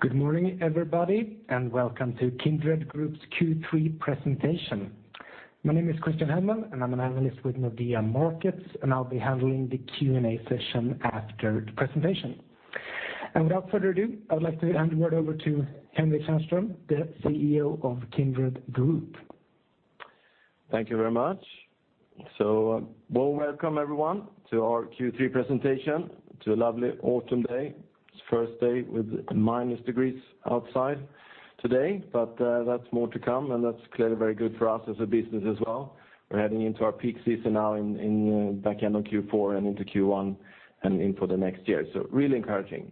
Good morning, everybody, welcome to Kindred Group's Q3 presentation. My name is Christian Hellman, I'm an analyst with Nordea Markets, and I'll be handling the Q&A session after the presentation. Without further ado, I would like to hand word over to Henrik Tjärnström, the CEO of Kindred Group. Thank you very much. Well welcome, everyone, to our Q3 presentation. It's a lovely autumn day. It's first day with minus degrees outside today, that's more to come, that's clearly very good for us as a business as well. We're heading into our peak season now in back end of Q4 and into Q1, into the next year, really encouraging.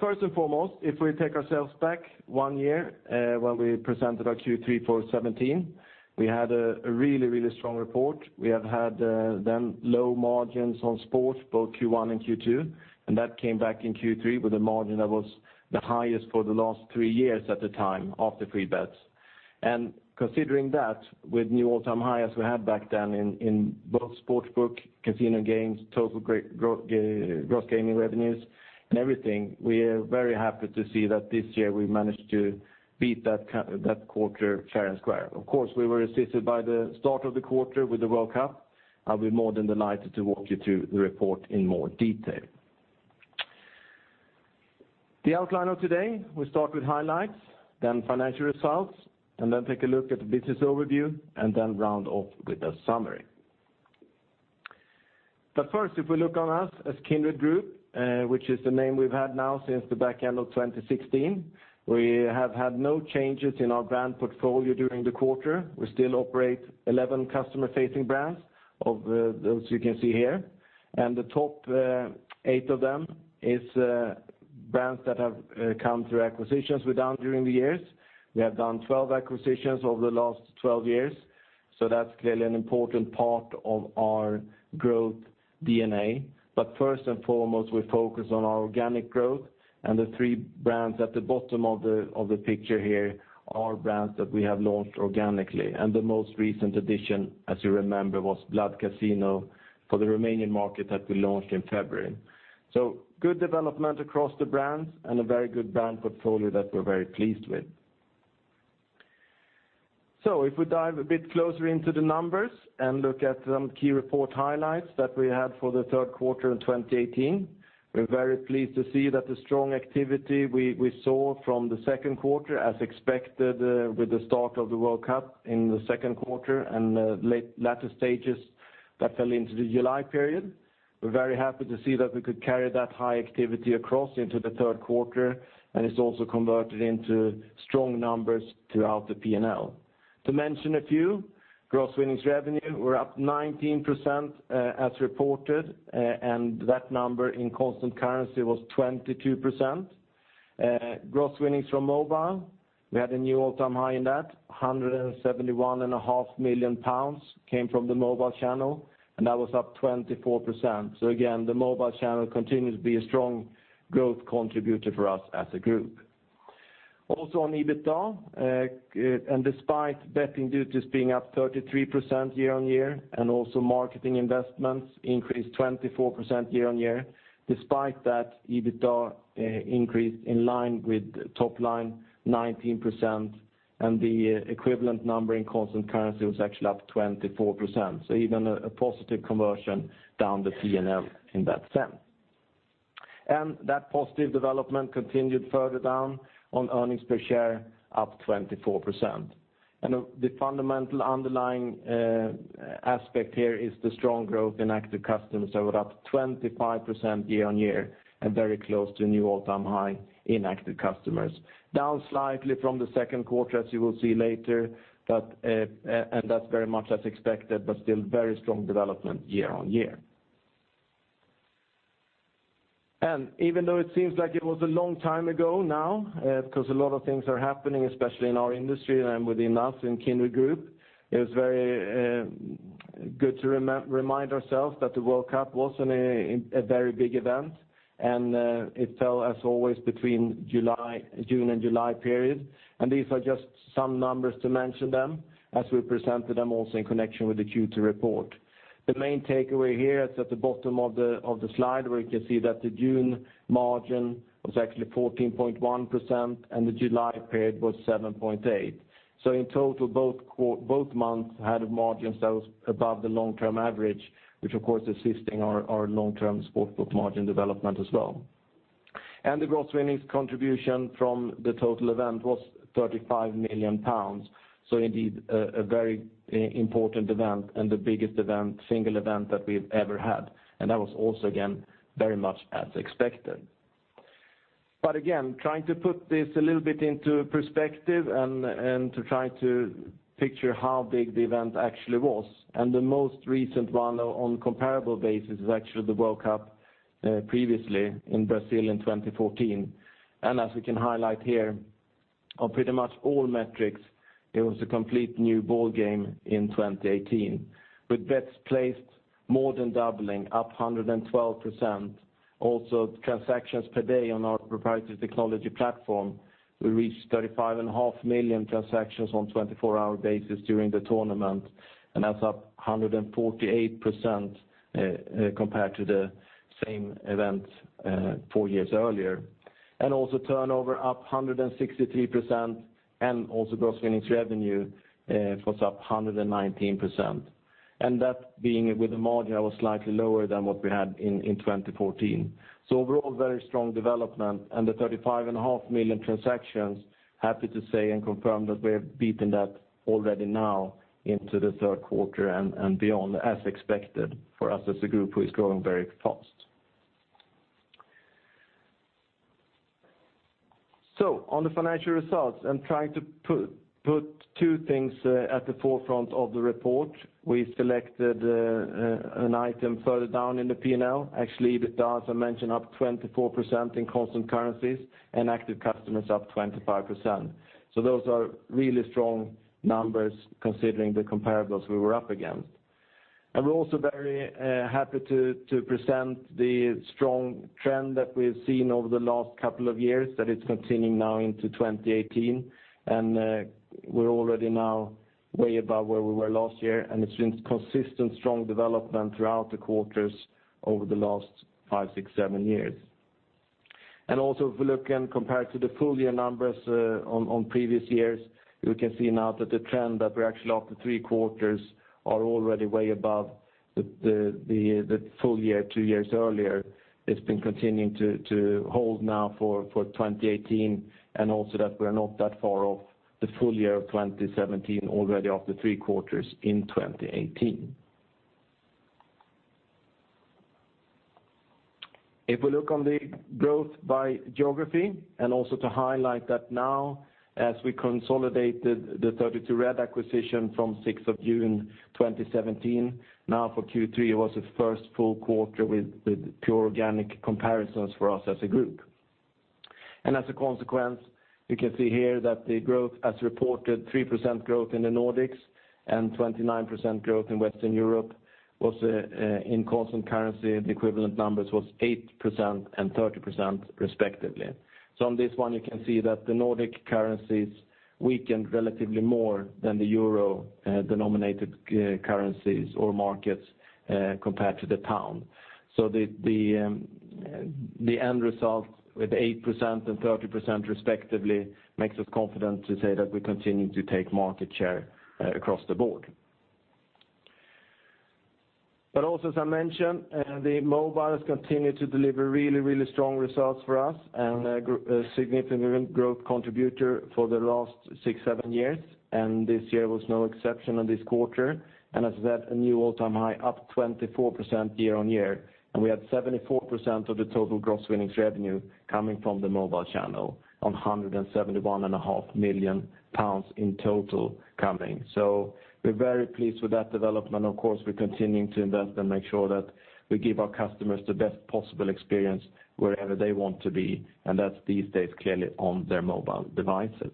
First and foremost, if we take ourselves back one year, when we presented our Q3 for 2017, we had a really strong report. We have had then low margins on sports, both Q1 and Q2, that came back in Q3 with a margin that was the highest for the last three years at the time after free bets. Considering that, with new all-time highs we had back then in both sports book, casino games, total gross gaming revenues and everything, we are very happy to see that this year we managed to beat that quarter fair and square. Of course, we were assisted by the start of the quarter with the World Cup. I'll be more than delighted to walk you through the report in more detail. The outline of today, we start with highlights, financial results, take a look at the business overview, and then round off with a summary. First, if we look on us as Kindred Group, which is the name we've had now since the back end of 2016, we have had no changes in our brand portfolio during the quarter. We still operate 11 customer-facing brands of those you can see here. The top eight of them is brands that have come through acquisitions we've done during the years. We have done 12 acquisitions over the last 12 years, that's clearly an important part of our growth DNA. First and foremost, we focus on our organic growth, the three brands at the bottom of the picture here are brands that we have launched organically. The most recent addition, as you remember, was Vlad Cazino for the Romanian market that we launched in February. Good development across the brands and a very good brand portfolio that we're very pleased with. If we dive a bit closer into the numbers and look at some key report highlights that we had for the third quarter in 2018, we are very pleased to see that the strong activity we saw from the second quarter, as expected with the start of the World Cup in the second quarter and the latter stages that fell into the July period. We are very happy to see that we could carry that high activity across into the third quarter, and it is also converted into strong numbers throughout the P&L. To mention a few, gross winnings revenue were up 19% as reported, and that number in constant currency was 22%. Gross winnings from mobile, we had a new all-time high in that, 171.5 million pounds came from the mobile channel, and that was up 24%. Again, the mobile channel continues to be a strong growth contributor for us as a group. Also on EBITDA, and despite betting duties being up 33% year-on-year and also marketing investments increased 24% year-on-year. Despite that, EBITDA increased in line with top line 19%, and the equivalent number in constant currency was actually up 24%. Even a positive conversion down the P&L in that sense. That positive development continued further down on earnings per share up 24%. The fundamental underlying aspect here is the strong growth in active customers that were up 25% year-on-year and very close to a new all-time high in active customers. Down slightly from the second quarter, as you will see later, and that is very much as expected, but still very strong development year-on-year. Even though it seems like it was a long time ago now, because a lot of things are happening, especially in our industry and within us in Kindred Group, it was very good to remind ourselves that the World Cup was a very big event, and it fell as always between June and July period. These are just some numbers to mention them, as we presented them also in connection with the Q2 report. The main takeaway here is at the bottom of the slide where you can see that the June margin was actually 14.1% and the July period was 7.8%. In total, both months had a margin that was above the long-term average, which of course is assisting our long-term sportsbook margin development as well. The gross winnings contribution from the total event was 35 million pounds. Indeed, a very important event and the biggest single event that we have ever had. That was also, again, very much as expected. Again, trying to put this a little bit into perspective and to try to picture how big the event actually was. The most recent one on comparable basis is actually the World Cup previously in Brazil in 2014. As we can highlight here, on pretty much all metrics, it was a complete new ballgame in 2018. With bets placed more than doubling, up 112%. Also, transactions per day on our proprietary technology platform, we reached 35.5 million transactions on 24-hour basis during the tournament, and that is up 148% compared to the same event four years earlier. Also turnover up 163% and also gross winnings revenue was up 119%. That being with the margin that was slightly lower than what we had in 2014. Overall, very strong development and the 35.5 million transactions, happy to say and confirm that we have beaten that already now into the third quarter and beyond, as expected for us as a group who is growing very fast. On the financial results, I'm trying to put two things at the forefront of the report. We selected an item further down in the P&L. Actually, EBITDA, as I mentioned, up 24% in constant currencies and active customers up 25%. Those are really strong numbers considering the comparables we were up against. We're also very happy to present the strong trend that we've seen over the last couple of years that is continuing now into 2018. We're already now way above where we were last year, and it's been consistent, strong development throughout the quarters over the last five, six, seven years. Also if we look and compare to the full year numbers on previous years, you can see now that the trend that we're actually after three quarters are already way above the full year, two years earlier. It's been continuing to hold now for 2018, and also that we're not that far off the full year of 2017 already after three quarters in 2018. If we look on the growth by geography and also to highlight that now as we consolidated the 32Red acquisition from 6th of June 2017. Now for Q3, it was the first full quarter with pure organic comparisons for us as a group. As a consequence, you can see here that the growth as reported 3% growth in the Nordics and 29% growth in Western Europe was in constant currency, the equivalent numbers was 8% and 30% respectively. On this one, you can see that the Nordic currencies weakened relatively more than the EUR-denominated currencies or markets compared to the GBP. The end result with 8% and 30% respectively makes us confident to say that we continue to take market share across the board. Also, as I mentioned, the mobile has continued to deliver really, really strong results for us and a significant growth contributor for the last six, seven years, and this year was no exception on this quarter. As that, a new all-time high, up 24% year-on-year. We had 74% of the total gross winnings revenue coming from the mobile channel on 171.5 million pounds in total coming. We're very pleased with that development. Of course, we're continuing to invest and make sure that we give our customers the best possible experience wherever they want to be, and that's these days clearly on their mobile devices.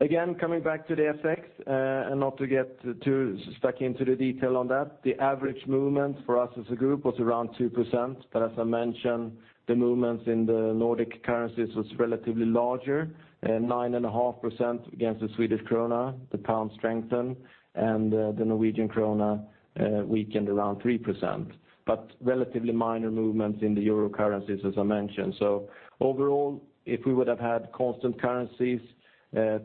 Again, coming back to the FX, not to get too stuck into the detail on that, the average movement for us as a group was around 2%. As I mentioned, the movements in the Nordic currencies was relatively larger, 9.5% against the SEK, the GBP strengthened, and the NOK weakened around 3%. Relatively minor movements in the EUR currencies, as I mentioned. Overall, if we would have had constant currencies,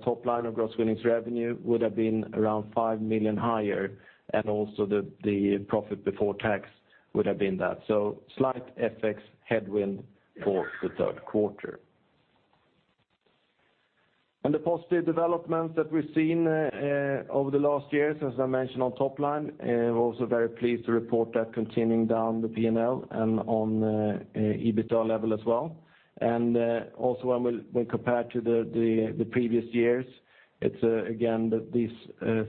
top line of gross winnings revenue would have been around 5 million higher, and also the profit before tax would have been that. Slight FX headwind for the third quarter. The positive developments that we've seen over the last years, as I mentioned on top line, we're also very pleased to report that continuing down the P&L and on EBITDA level as well. Also when compared to the previous years, it's again, this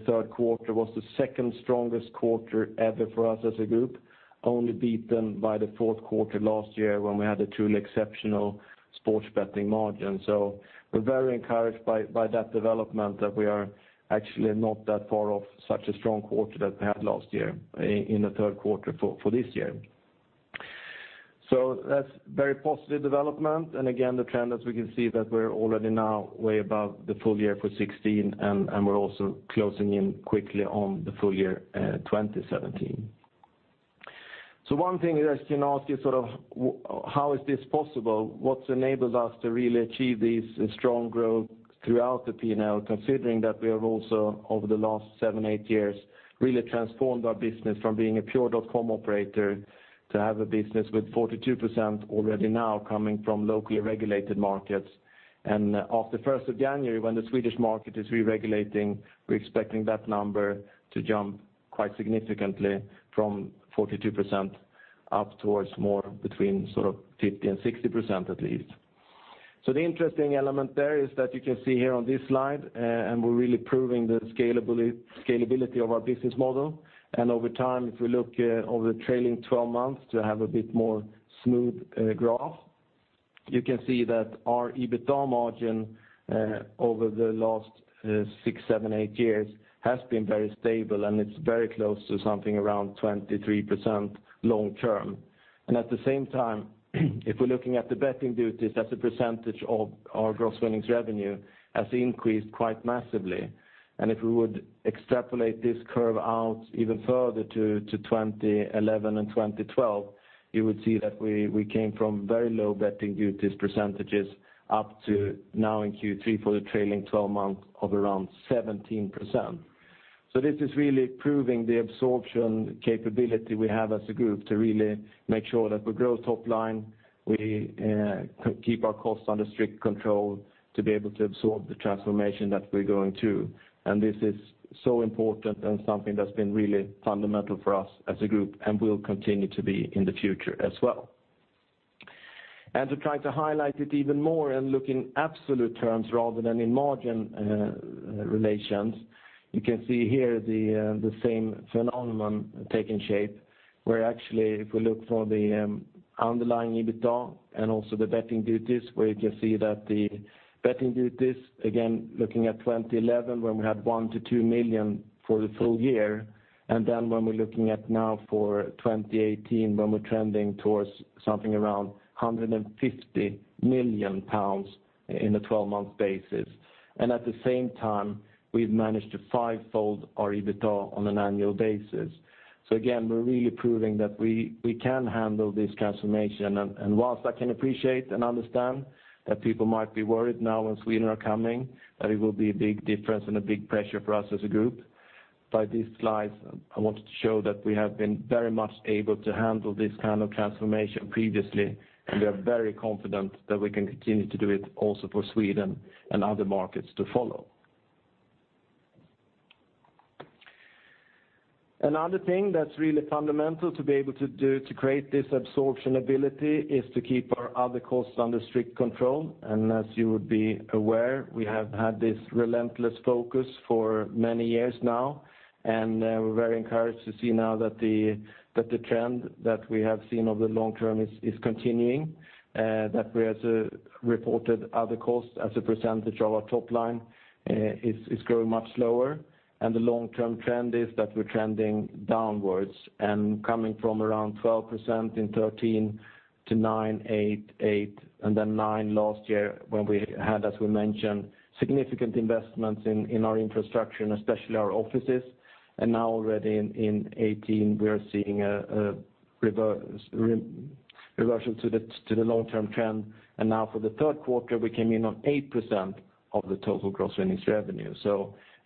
third quarter was the second strongest quarter ever for us as a group, only beaten by the fourth quarter last year when we had a truly exceptional sports betting margin. We're very encouraged by that development that we are actually not that far off such a strong quarter that we had last year in the third quarter for this year. That's very positive development. Again, the trend as we can see that we're already now way above the full year for 2016, and we're also closing in quickly on the full year 2017. One thing that you can ask is sort of how is this possible? What's enabled us to really achieve this strong growth throughout the P&L, considering that we have also, over the last seven, eight years, really transformed our business from being a pure dot-com operator to have a business with 42% already now coming from locally regulated markets. After 1st of January, when the Swedish market is reregulating, we're expecting that number to jump quite significantly from 42% up towards more between 50% and 60% at least. The interesting element there is that you can see here on this slide, and we're really proving the scalability of our business model. Over time, if we look over the trailing 12 months to have a bit more smooth graph, you can see that our EBITDA margin over the last six, seven, eight years has been very stable, and it's very close to something around 23% long term. At the same time, if we're looking at the betting duties as a percentage of our gross winnings revenue, has increased quite massively. If we would extrapolate this curve out even further to 2011 and 2012, you would see that we came from very low betting duties percentages up to now in Q3 for the trailing 12 months of around 17%. This is really proving the absorption capability we have as a group to really make sure that we grow top line, we keep our costs under strict control to be able to absorb the transformation that we're going to. This is so important and something that's been really fundamental for us as a group and will continue to be in the future as well. To try to highlight it even more and look in absolute terms rather than in margin relations, you can see here the same phenomenon taking shape, where actually if we look for the underlying EBITDA and also the betting duties, where you can see that the betting duties, again, looking at 2011, when we had 1 million-2 million for the full year, then when we're looking at now for 2018, when we're trending towards something around 150 million pounds in a 12-month basis. At the same time, we've managed to fivefold our EBITDA on an annual basis. Again, we're really proving that we can handle this transformation. Whilst I can appreciate and understand that people might be worried now when Sweden are coming, that it will be a big difference and a big pressure for us as a group. By these slides, I wanted to show that we have been very much able to handle this kind of transformation previously, we are very confident that we can continue to do it also for Sweden and other markets to follow. Another thing that's really fundamental to be able to do to create this absorption ability is to keep our other costs under strict control. As you would be aware, we have had this relentless focus for many years now, we're very encouraged to see now that the trend that we have seen over the long term is continuing, that we have reported other costs as a percentage of our top line is growing much slower, the long-term trend is that we're trending downwards and coming from around 12% in 2013 to 9%, 8%, 8%, and then 9% last year when we had, as we mentioned, significant investments in our infrastructure and especially our offices, now already in 2018, we are seeing a reversion to the long-term trend. Now for the third quarter, we came in on 8% of the total gross winnings revenue.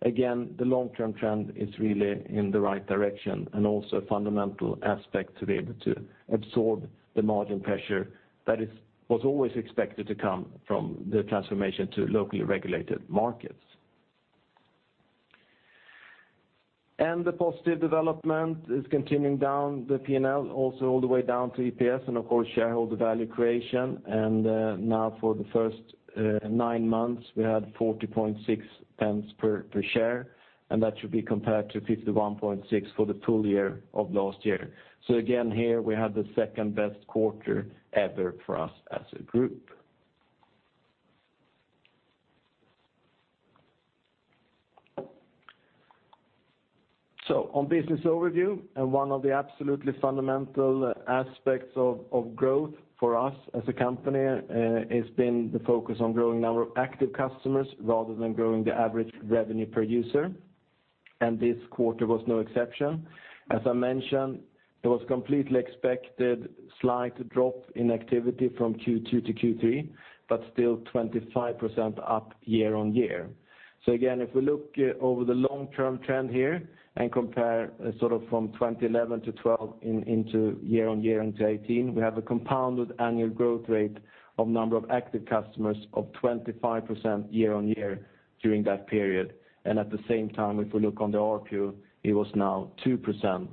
Again, the long-term trend is really in the right direction and also a fundamental aspect to be able to absorb the margin pressure that was always expected to come from the transformation to locally regulated markets. The positive development is continuing down the P&L also all the way down to EPS and of course, shareholder value creation. Now for the first nine months, we had 0.406 per share, that should be compared to 0.516 for the full year of last year. Again, here we have the second-best quarter ever for us as a group. On business overview, one of the absolutely fundamental aspects of growth for us as a company has been the focus on growing the number of active customers rather than growing the average revenue per user. This quarter was no exception. As I mentioned, there was completely expected slight drop in activity from Q2 to Q3, but still 25% up year-over-year. Again, if we look over the long-term trend here and compare from 2011 to 2012 into year-over-year into 2018, we have a compounded annual growth rate of number of active customers of 25% year-over-year during that period. At the same time, if we look on the ARPU, it was now 2%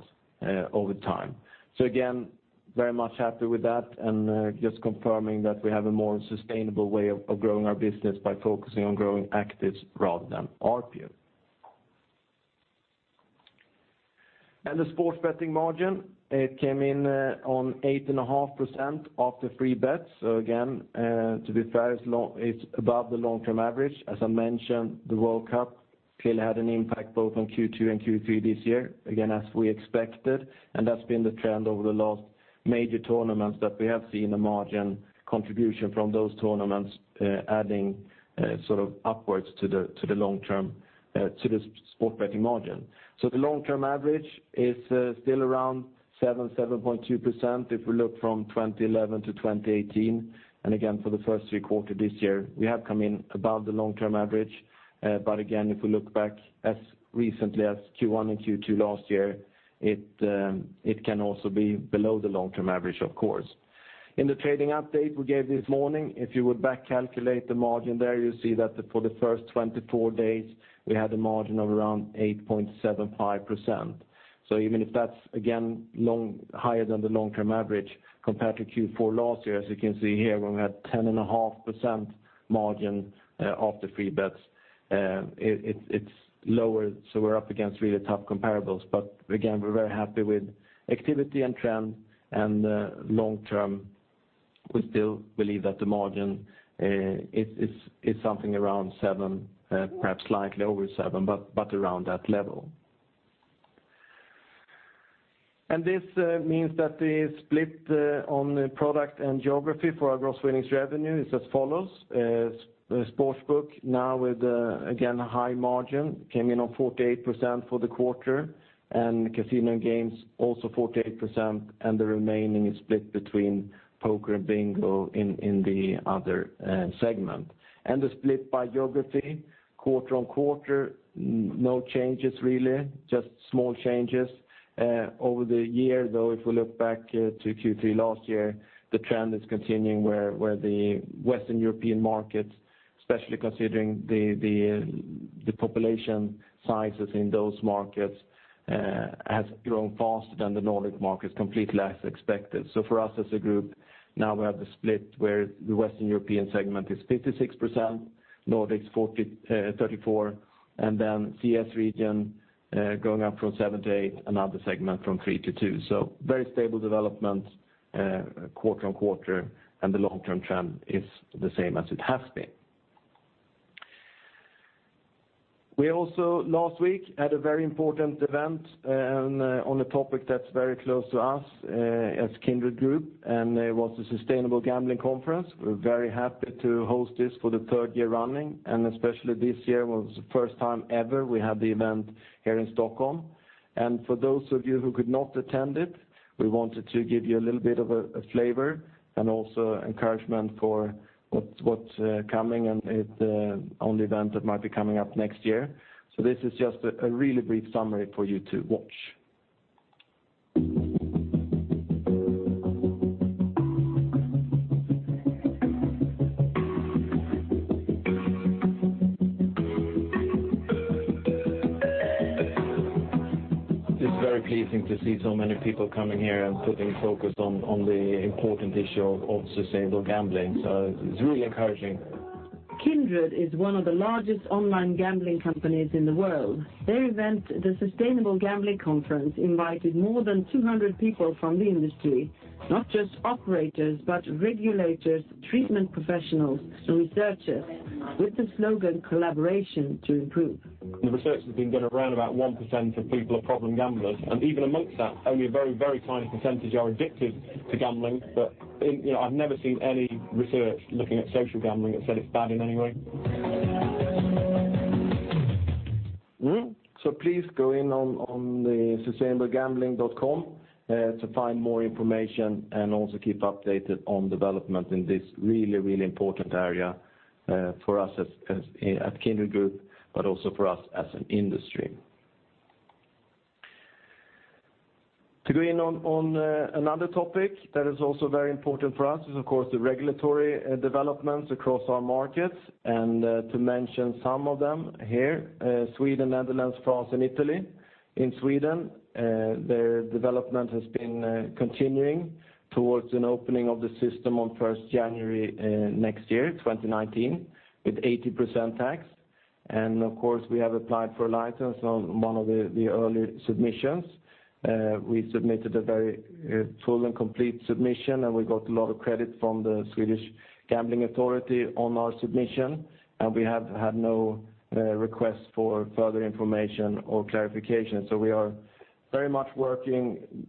over time. Again, very much happy with that and just confirming that we have a more sustainable way of growing our business by focusing on growing actives rather than ARPU. The sports betting margin, it came in on 8.5% after free bets. Again, to be fair, it is above the long-term average. As I mentioned, the World Cup clearly had an impact both on Q2 and Q3 this year, again, as we expected, and that has been the trend over the last major tournaments that we have seen a margin contribution from those tournaments adding upwards to the sports betting margin. The long-term average is still around 7%-7.2% if we look from 2011 to 2018. Again, for the first three quarters this year, we have come in above the long-term average. Again, if we look back as recently as Q1 and Q2 last year, it can also be below the long-term average, of course. In the trading update we gave this morning, if you would back calculate the margin there, you see that for the first 24 days, we had a margin of around 8.75%. Even if that is, again, higher than the long-term average compared to Q4 last year, as you can see here, where we had 10.5% margin after free bets, it is lower, so we are up against really tough comparables. Again, we are very happy with activity and trend and long-term. We still believe that the margin is something around seven, perhaps slightly over seven, but around that level. This means that the split on the product and geography for our gross winnings revenue is as follows. Sportsbook now with, again, high margin came in on 48% for the quarter, and Casino and Games also 48%, and the remaining is split between Poker and Bingo in the other segment. The split by geography quarter-over-quarter, no changes really, just small changes. Over the year though, if we look back to Q3 last year, the trend is continuing where the Western European markets, especially considering the population sizes in those markets, has grown faster than the Nordic markets, completely as expected. For us as a group, now we have the split where the Western European segment is 56%, Nordics 34%, and then CES region, going up from seven to eight, and Other segment from three to two. Very stable development, quarter-over-quarter, and the long-term trend is the same as it has been. We also last week had a very important event on a topic that is very close to us as Kindred Group, and it was the Sustainable Gambling Conference. We are very happy to host this for the third year running, and especially this year was the first time ever we had the event here in Stockholm. For those of you who could not attend it, we wanted to give you a little bit of a flavor and also encouragement for what's coming and on the event that might be coming up next year. This is just a really brief summary for you to watch. It's very pleasing to see so many people coming here and putting focus on the important issue of sustainable gambling. It's really encouraging. Kindred is one of the largest online gambling companies in the world. Their event, the Sustainable Gambling Conference, invited more than 200 people from the industry, not just operators, but regulators, treatment professionals, and researchers with the slogan, collaboration to improve. The research has been done around about 1% of people are problem gamblers, and even amongst that, only a very tiny percentage are addicted to gambling. I've never seen any research looking at social gambling that said it's bad in any way. Please go in on the sustainablegambling.com, to find more information and also keep updated on development in this really important area, for us as at Kindred Group, but also for us as an industry. To go in on another topic that is also very important for us is, of course, the regulatory developments across our markets and to mention some of them here, Sweden, Netherlands, France, and Italy. In Sweden, their development has been continuing towards an opening of the system on 1st January next year, 2019, with 18% tax. Of course, we have applied for a license on one of the early submissions. We submitted a very full and complete submission, and we got a lot of credit from the Swedish Gambling Authority on our submission, and we have had no requests for further information or clarification. We are very much working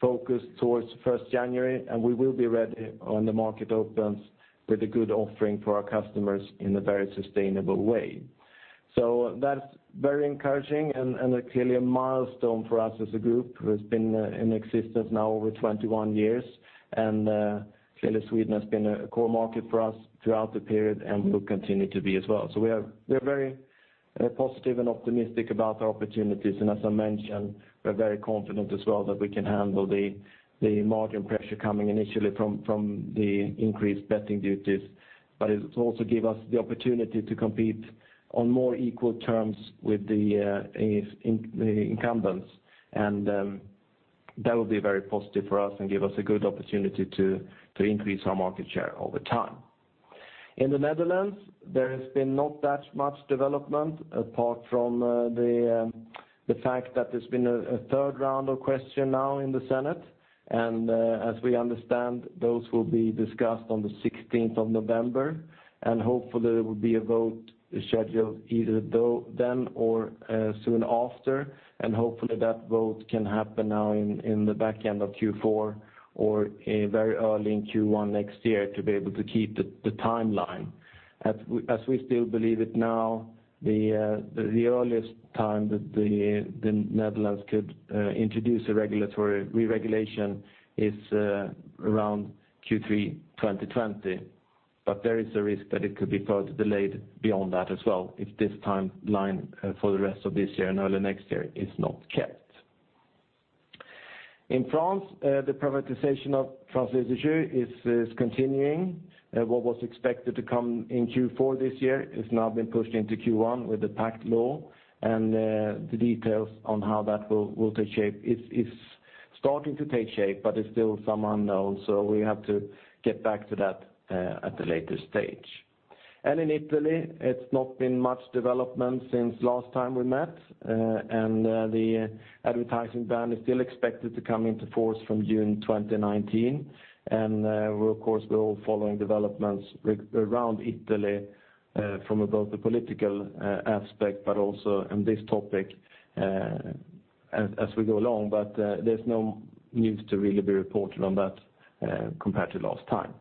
focused towards 1st January, we will be ready when the market opens with a good offering for our customers in a very sustainable way. That's very encouraging and clearly a milestone for us as a group who has been in existence now over 21 years. Clearly Sweden has been a core market for us throughout the period and will continue to be as well. We are very positive and optimistic about our opportunities. As I mentioned, we're very confident as well that we can handle the margin pressure coming initially from the increased betting duties, it will also give us the opportunity to compete on more equal terms with the incumbents. That will be very positive for us and give us a good opportunity to increase our market share over time. In the Netherlands, there has been not that much development apart from the fact that there's been a third round of question now in the Senate. As we understand, those will be discussed on the 16th of November, hopefully there will be a vote scheduled either then or soon after. Hopefully that vote can happen now in the back end of Q4 or very early in Q1 next year to be able to keep the timeline. As we still believe it now, the earliest time that the Netherlands could introduce a regulatory reregulation is around Q3 2020, but there is a risk that it could be further delayed beyond that as well if this timeline for the rest of this year and early next year is not kept. In France, the privatization of Française des Jeux is continuing. What was expected to come in Q4 this year has now been pushed into Q1 with the PACTE law. The details on how that will take shape is starting to take shape, but it's still some unknown, we have to get back to that at a later stage. In Italy, it's not been much development since last time we met, the advertising ban is still expected to come into force from June 2019. We're of course all following developments around Italy from both the political aspect, but also on this topic as we go along. There's no news to really be reported on that compared to last time.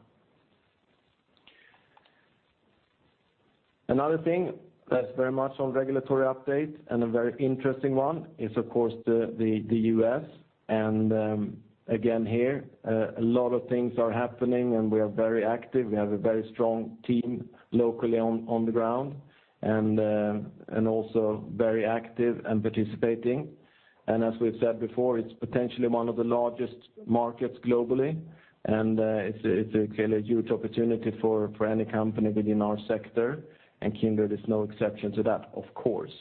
Another thing that's very much on regulatory update, and a very interesting one, is of course the U.S. Again here, a lot of things are happening and we are very active. We have a very strong team locally on the ground, also very active and participating. As we've said before, it's potentially one of the largest markets globally, it's a clearly huge opportunity for any company within our sector, Kindred is no exception to that, of course.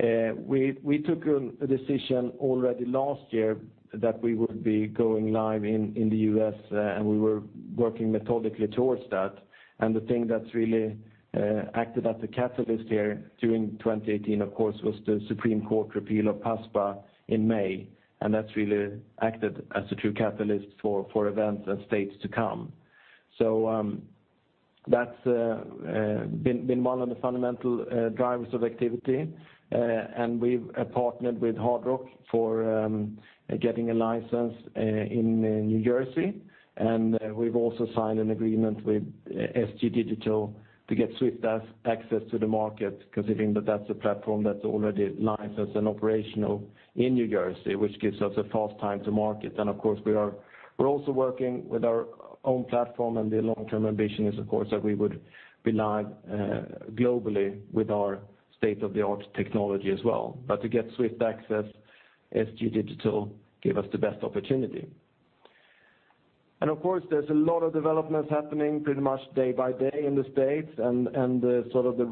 We took a decision already last year that we would be going live in the U.S., we were working methodically towards that. The thing that's really acted as a catalyst here during 2018, of course, was the Supreme Court repeal of PASPA in May, that's really acted as a true catalyst for events and states to come. That's been one of the fundamental drivers of activity, we've partnered with Hard Rock for getting a license in New Jersey. We've also signed an agreement with SG Digital to get swift access to the market, considering that that's a platform that's already live as an operational in New Jersey, which gives us a fast time to market. Of course we're also working with our own platform, and the long-term ambition is of course that we would be live globally with our state-of-the-art technology as well. To get swift access, SG Digital gave us the best opportunity. Of course, there's a lot of developments happening pretty much day by day in the States, and the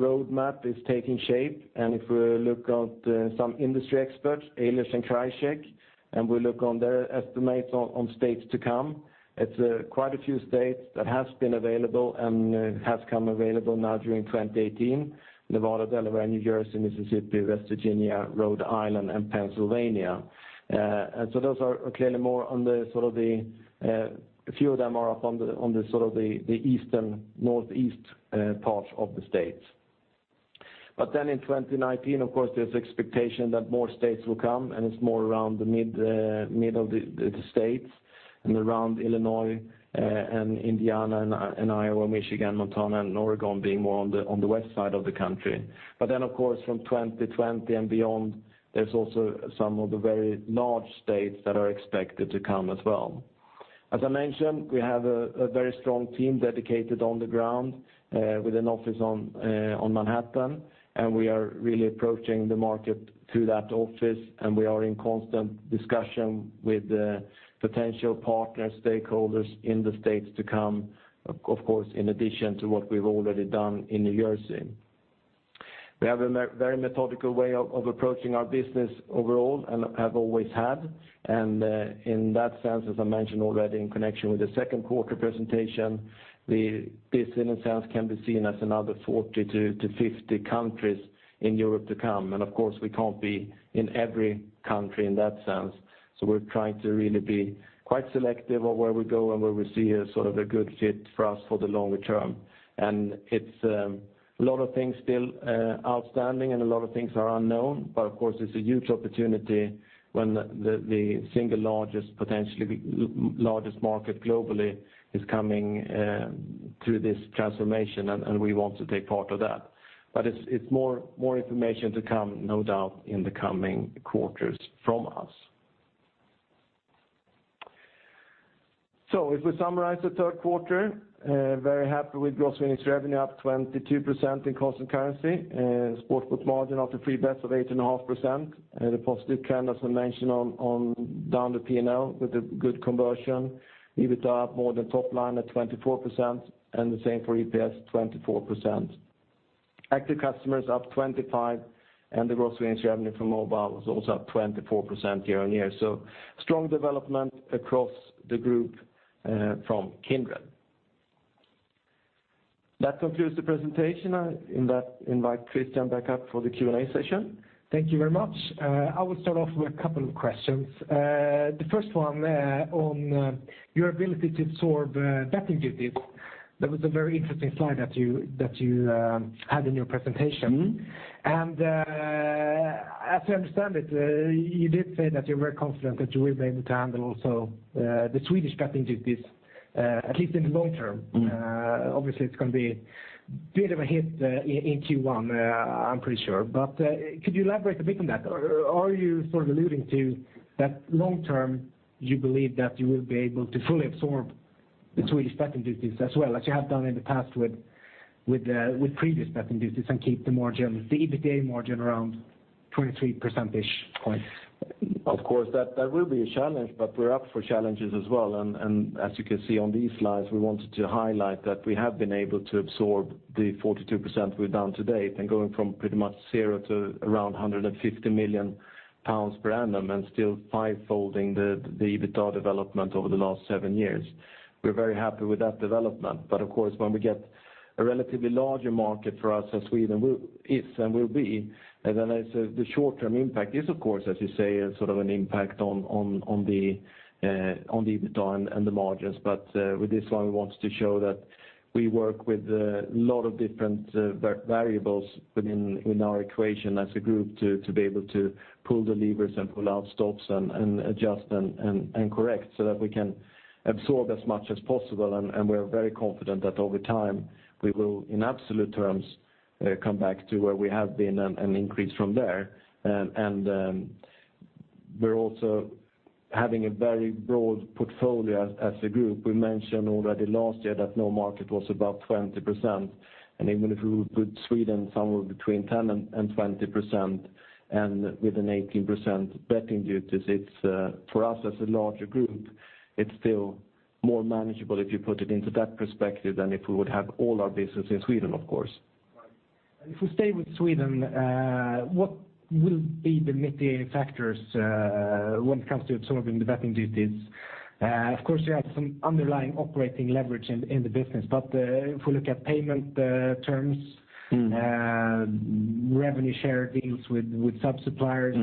roadmap is taking shape. If we look at some industry experts, Eilers & Krejcik, and we look on their estimates on states to come, it's quite a few states that have been available and have come available now during 2018. Nevada, Delaware, New Jersey, Mississippi, West Virginia, Rhode Island, and Pennsylvania. A few of them are up on the northeast parts of the States. In 2019, of course, there's expectation that more states will come, and it's more around the middle of the states, and around Illinois and Indiana and Iowa, Michigan, Montana and Oregon being more on the west side of the country. Of course, from 2020 and beyond, there's also some of the very large states that are expected to come as well. As I mentioned, we have a very strong team dedicated on the ground with an office on Manhattan, and we are really approaching the market through that office, and we are in constant discussion with potential partners, stakeholders in the States to come, of course, in addition to what we've already done in New Jersey. We have a very methodical way of approaching our business overall, and have always had. In that sense, as I mentioned already in connection with the second quarter presentation, this in a sense can be seen as another 40 to 50 countries in Europe to come. Of course, we can't be in every country in that sense, so we're trying to really be quite selective of where we go and where we see a good fit for us for the longer term. It's a lot of things still outstanding, and a lot of things are unknown. Of course, it's a huge opportunity when the single largest, potentially largest market globally is coming to this transformation, and we want to take part of that. It's more information to come, no doubt, in the coming quarters from us. If we summarize the third quarter, very happy with gross winnings revenue up 22% in constant currency. Sports booked margin after free bets of 8.5%. The positive trend, as I mentioned, on down the P&L with a good conversion. EBITDA up more than top line at 24%, and the same for EPS, 24%. Active customers up 25, and the gross winnings revenue for mobile was also up 24% year-on-year. Strong development across the group from Kindred. That concludes the presentation. I invite Christian back up for the Q&A session. Thank you very much. I will start off with a couple of questions. The first one on your ability to absorb betting duties. That was a very interesting slide that you had in your presentation. As I understand it, you did say that you are very confident that you will be able to handle also the Swedish betting duties, at least in the long term. Obviously, it is going to be a bit of a hit in Q1, I am pretty sure. Could you elaborate a bit on that? Are you alluding to that long term, you believe that you will be able to fully absorb the Swedish betting duties as well as you have done in the past with previous betting duties and keep the EBITDA margin around 23%-ish points? Of course, that will be a challenge, but we are up for challenges as well. As you can see on these slides, we wanted to highlight that we have been able to absorb the 42% we have done to date and going from pretty much zero to around 150 million pounds per annum and still five-folding the EBITDA development over the last seven years. We are very happy with that development. Of course, when we get a relatively larger market for us as Sweden is and will be, then the short-term impact is, of course, as you say, sort of an impact on the EBITDA and the margins. We wanted to show that we work with a lot of different variables within our equation as a group to be able to pull the levers and pull out stops and adjust and correct so that we can absorb as much as possible. We are very confident that over time we will, in absolute terms, come back to where we have been and increase from there. We are also having a very broad portfolio as a group. We mentioned already last year that no market was above 20%. Even if we would put Sweden somewhere between 10% and 20% and with an 18% betting duties, for us as a larger group, it is still more manageable if you put it into that perspective than if we would have all our business in Sweden, of course. Right. If we stay with Sweden, what will be the mitigating factors when it comes to absorbing the betting duties? Of course, you have some underlying operating leverage in the business, but if we look at payment terms, revenue share deals with sub-suppliers,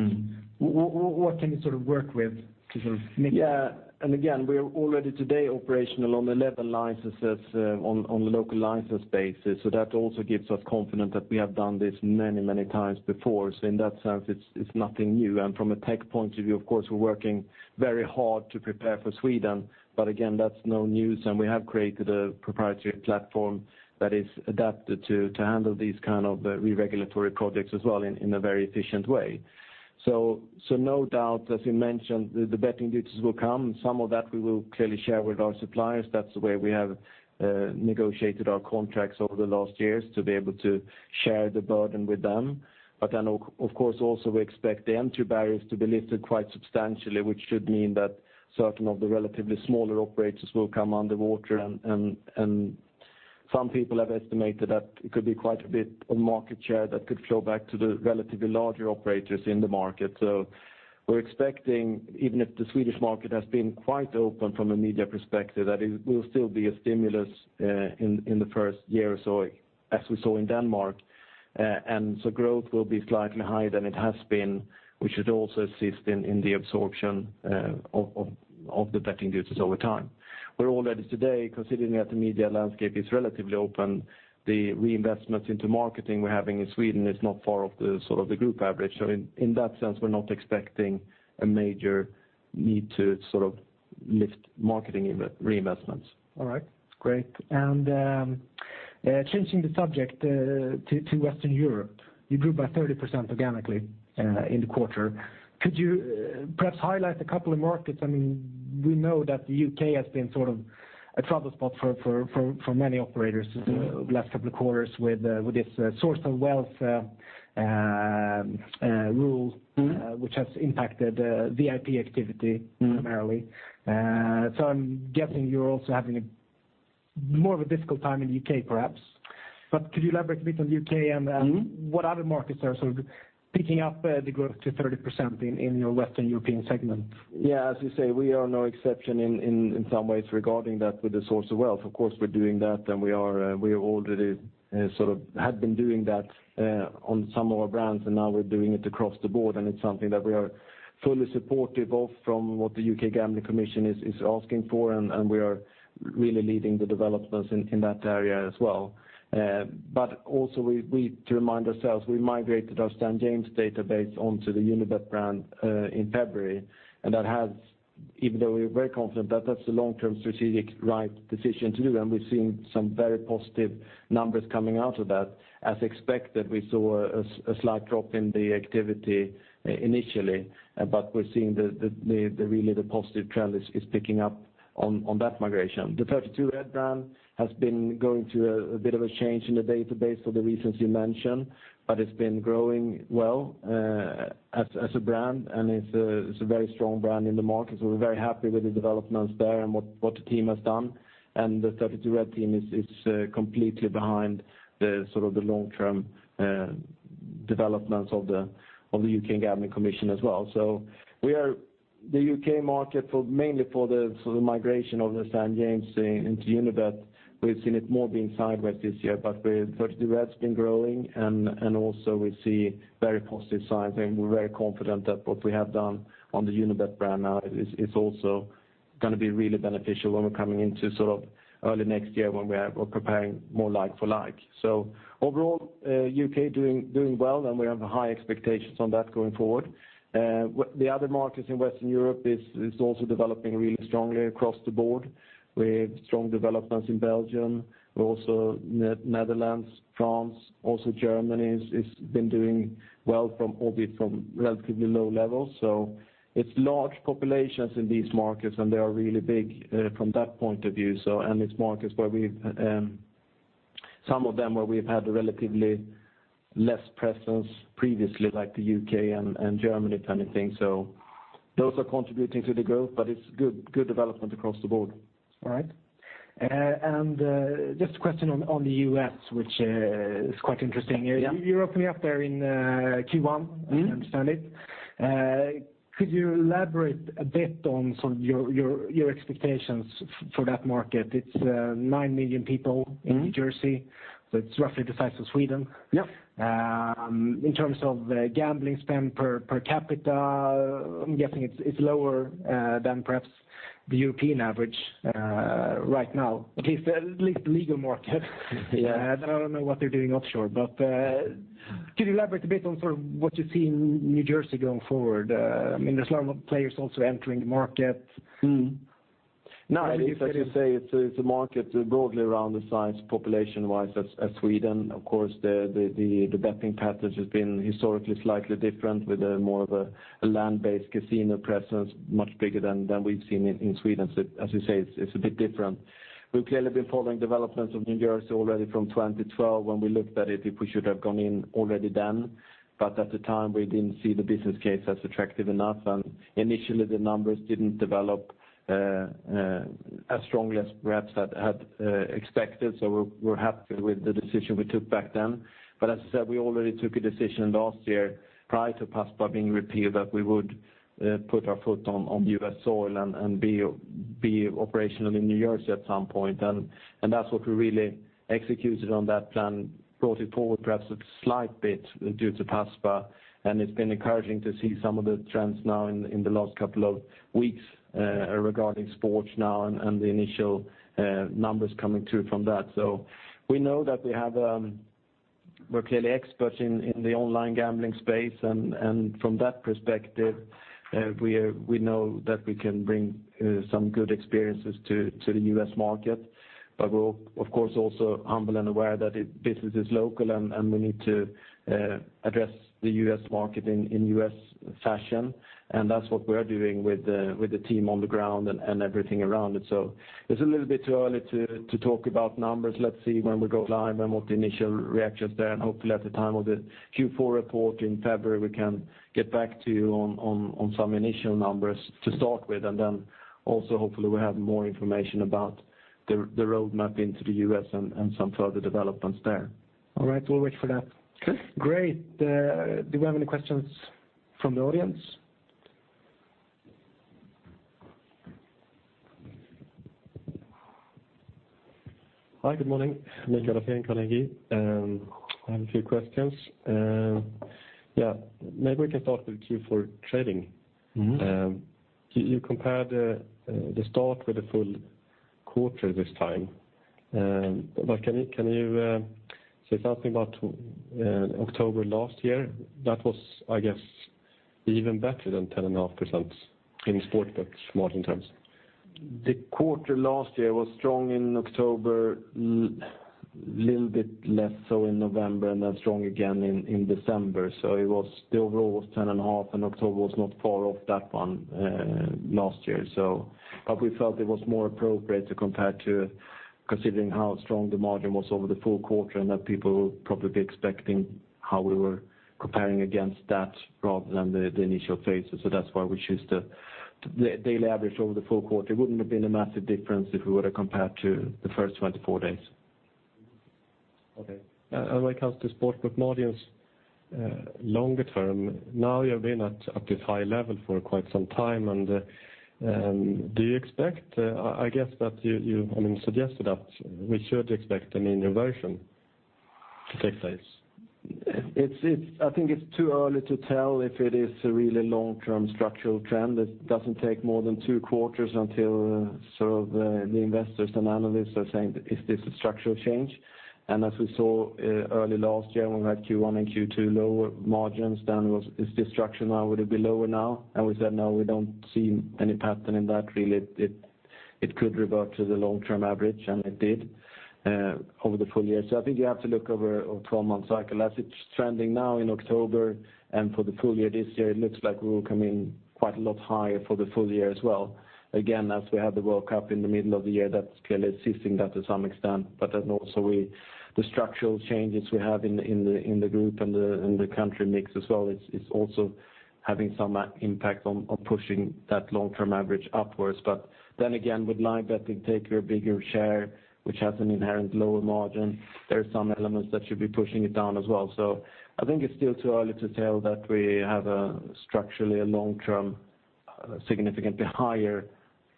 what can you work with to sort of mitigate? Yeah. Again, we are already today operational on 11 licenses on the local license basis. That also gives us confidence that we have done this many times before. In that sense, it is nothing new. From a tech point of view, of course, we are working very hard to prepare for Sweden. Again, that is no news, and we have created a proprietary platform that is adapted to handle these kind of regulatory projects as well in a very efficient way. No doubt, as you mentioned, the betting duties will come. Some of that we will clearly share with our suppliers. That is the way we have negotiated our contracts over the last years to be able to share the burden with them. Of course, also we expect the entry barriers to be lifted quite substantially, which should mean that certain of the relatively smaller operators will come underwater, and some people have estimated that it could be quite a bit of market share that could flow back to the relatively larger operators in the market. We are expecting, even if the Swedish market has been quite open from a media perspective, that it will still be a stimulus in the first year or so, as we saw in Denmark. Growth will be slightly higher than it has been, which should also assist in the absorption of the betting duties over time. We are already today considering that the media landscape is relatively open. The reinvestment into marketing we are having in Sweden is not far off the group average. In that sense, we're not expecting a major need to lift marketing reinvestments. All right. Great. Changing the subject to Western Europe, you grew by 30% organically in the quarter. Could you perhaps highlight a couple of markets? We know that the U.K. has been sort of a trouble spot for many operators the last couple of quarters with this source of wealth rule, which has impacted VIP activity primarily. I'm guessing you're also having more of a difficult time in the U.K., perhaps. Could you elaborate a bit on the U.K. and what other markets are sort of picking up the growth to 30% in your Western European segment? Yeah, as you say, we are no exception in some ways regarding that with the source of wealth. Of course, we're doing that, and we already have been doing that on some of our brands, and now we're doing it across the board, and it's something that we are fully supportive of from what the UK Gambling Commission is asking for, and we are really leading the developments in that area as well. Also, we need to remind ourselves, we migrated our Stan James database onto the Unibet brand in February, and even though we're very confident that that's the long-term strategic right decision to do, and we've seen some very positive numbers coming out of that, as expected, we saw a slight drop in the activity initially, but we're seeing really the positive trend is picking up on that migration. The 32Red brand has been going through a bit of a change in the database for the reasons you mentioned, but it's been growing well as a brand, and it's a very strong brand in the market. We're very happy with the developments there and what the team has done. The 32Red team is completely behind the long-term developments of the UK Gambling Commission as well. The U.K. market, mainly for the migration of the Stan James into Unibet, we've seen it more being sideways this year, but 32Red's been growing, and also we see very positive signs, and we're very confident that what we have done on the Unibet brand now is also going to be really beneficial when we're coming into early next year when we're preparing more like for like. Overall, U.K. doing well, and we have high expectations on that going forward. The other markets in Western Europe are also developing really strongly across the board, with strong developments in Belgium, also Netherlands, France, also Germany has been doing well, albeit from relatively low levels. It's large populations in these markets, and they are really big from that point of view. And it's markets where some of them where we've had a relatively less presence previously, like the U.K. and Germany kind of thing. Those are contributing to the growth, but it's good development across the board. All right. Just a question on the U.S., which is quite interesting. You're opening up there in Q1 as I understand it. Could you elaborate a bit on some of your expectations for that market? It's 9 million people in New Jersey, it's roughly the size of Sweden. In terms of gambling spend per capita, I'm guessing it's lower than perhaps the European average right now, at least legal market. I don't know what they're doing offshore, but could you elaborate a bit on what you see in New Jersey going forward? There's a lot of players also entering the market. As you say, it's a market broadly around the size, population-wise, as Sweden. Of course, the betting pattern has been historically slightly different with more of a land-based casino presence, much bigger than we've seen in Sweden. As you say, it's a bit different. We've clearly been following developments of New Jersey already from 2012 when we looked at it, if we should have gone in already then, but at the time, we didn't see the business case as attractive enough, and initially the numbers didn't develop as strongly as perhaps I had expected. We're happy with the decision we took back then. As I said, we already took a decision last year, prior to PASPA being repealed, that we would put our foot on U.S. soil and be operational in New Jersey at some point, and that's what we really executed on that plan, brought it forward perhaps a slight bit due to PASPA, and it's been encouraging to see some of the trends now in the last couple of weeks regarding sports now and the initial numbers coming through from that. We know that we're clearly experts in the online gambling space, and from that perspective, we know that we can bring some good experiences to the U.S. market. We're, of course, also humble and aware that business is local, and we need to address the U.S. market in U.S. fashion, and that's what we're doing with the team on the ground and everything around it. It's a little bit too early to talk about numbers. Let's see when we go live and what the initial reaction is there, and hopefully at the time of the Q4 report in February, we can get back to you on some initial numbers to start with. Also hopefully we'll have more information about the roadmap into the U.S. and some further developments there. All right. We'll wait for that. Okay. Great. Do we have any questions from the audience? Hi, good morning. Nick Arafin, Kindred Group. I have a few questions. Yeah, maybe we can start with Q4 trading. You compared the start with the full quarter this time. Can you say something about October last year? That was, I guess, even better than 10.5% in sports book margin terms. The quarter last year was strong in October, little bit less so in November, then strong again in December. The overall was 10.5%, October was not far off that one last year. We felt it was more appropriate to compare to considering how strong the margin was over the full quarter, that people would probably be expecting how we were comparing against that rather than the initial phases. That's why we choose the daily average over the full quarter. It wouldn't have been a massive difference if we were to compare to the first 24 days. Okay. When it comes to sports book margins longer term, now you have been at this high level for quite some time, do you expect, I guess that you suggested that we should expect an inversion to take place. I think it's too early to tell if it is a really long-term structural trend. It doesn't take more than two quarters until some of the investors and analysts are saying, "Is this a structural change?" As we saw early last year when we had Q1 and Q2 lower margins, "Is this structural? Will it be lower now?" We said, no, we don't see any pattern in that really. It could revert to the long-term average, and it did over the full year. I think you have to look over a 12-month cycle. As it's trending now in October and for the full year this year, it looks like we will come in quite a lot higher for the full year as well. Again, as we have the World Cup in the middle of the year, that's clearly assisting that to some extent. Also the structural changes we have in the group and the country mix as well is also having some impact on pushing that long-term average upwards. Again, with live betting taking a bigger share, which has an inherent lower margin, there are some elements that should be pushing it down as well. I think it's still too early to tell that we have structurally a long-term significantly higher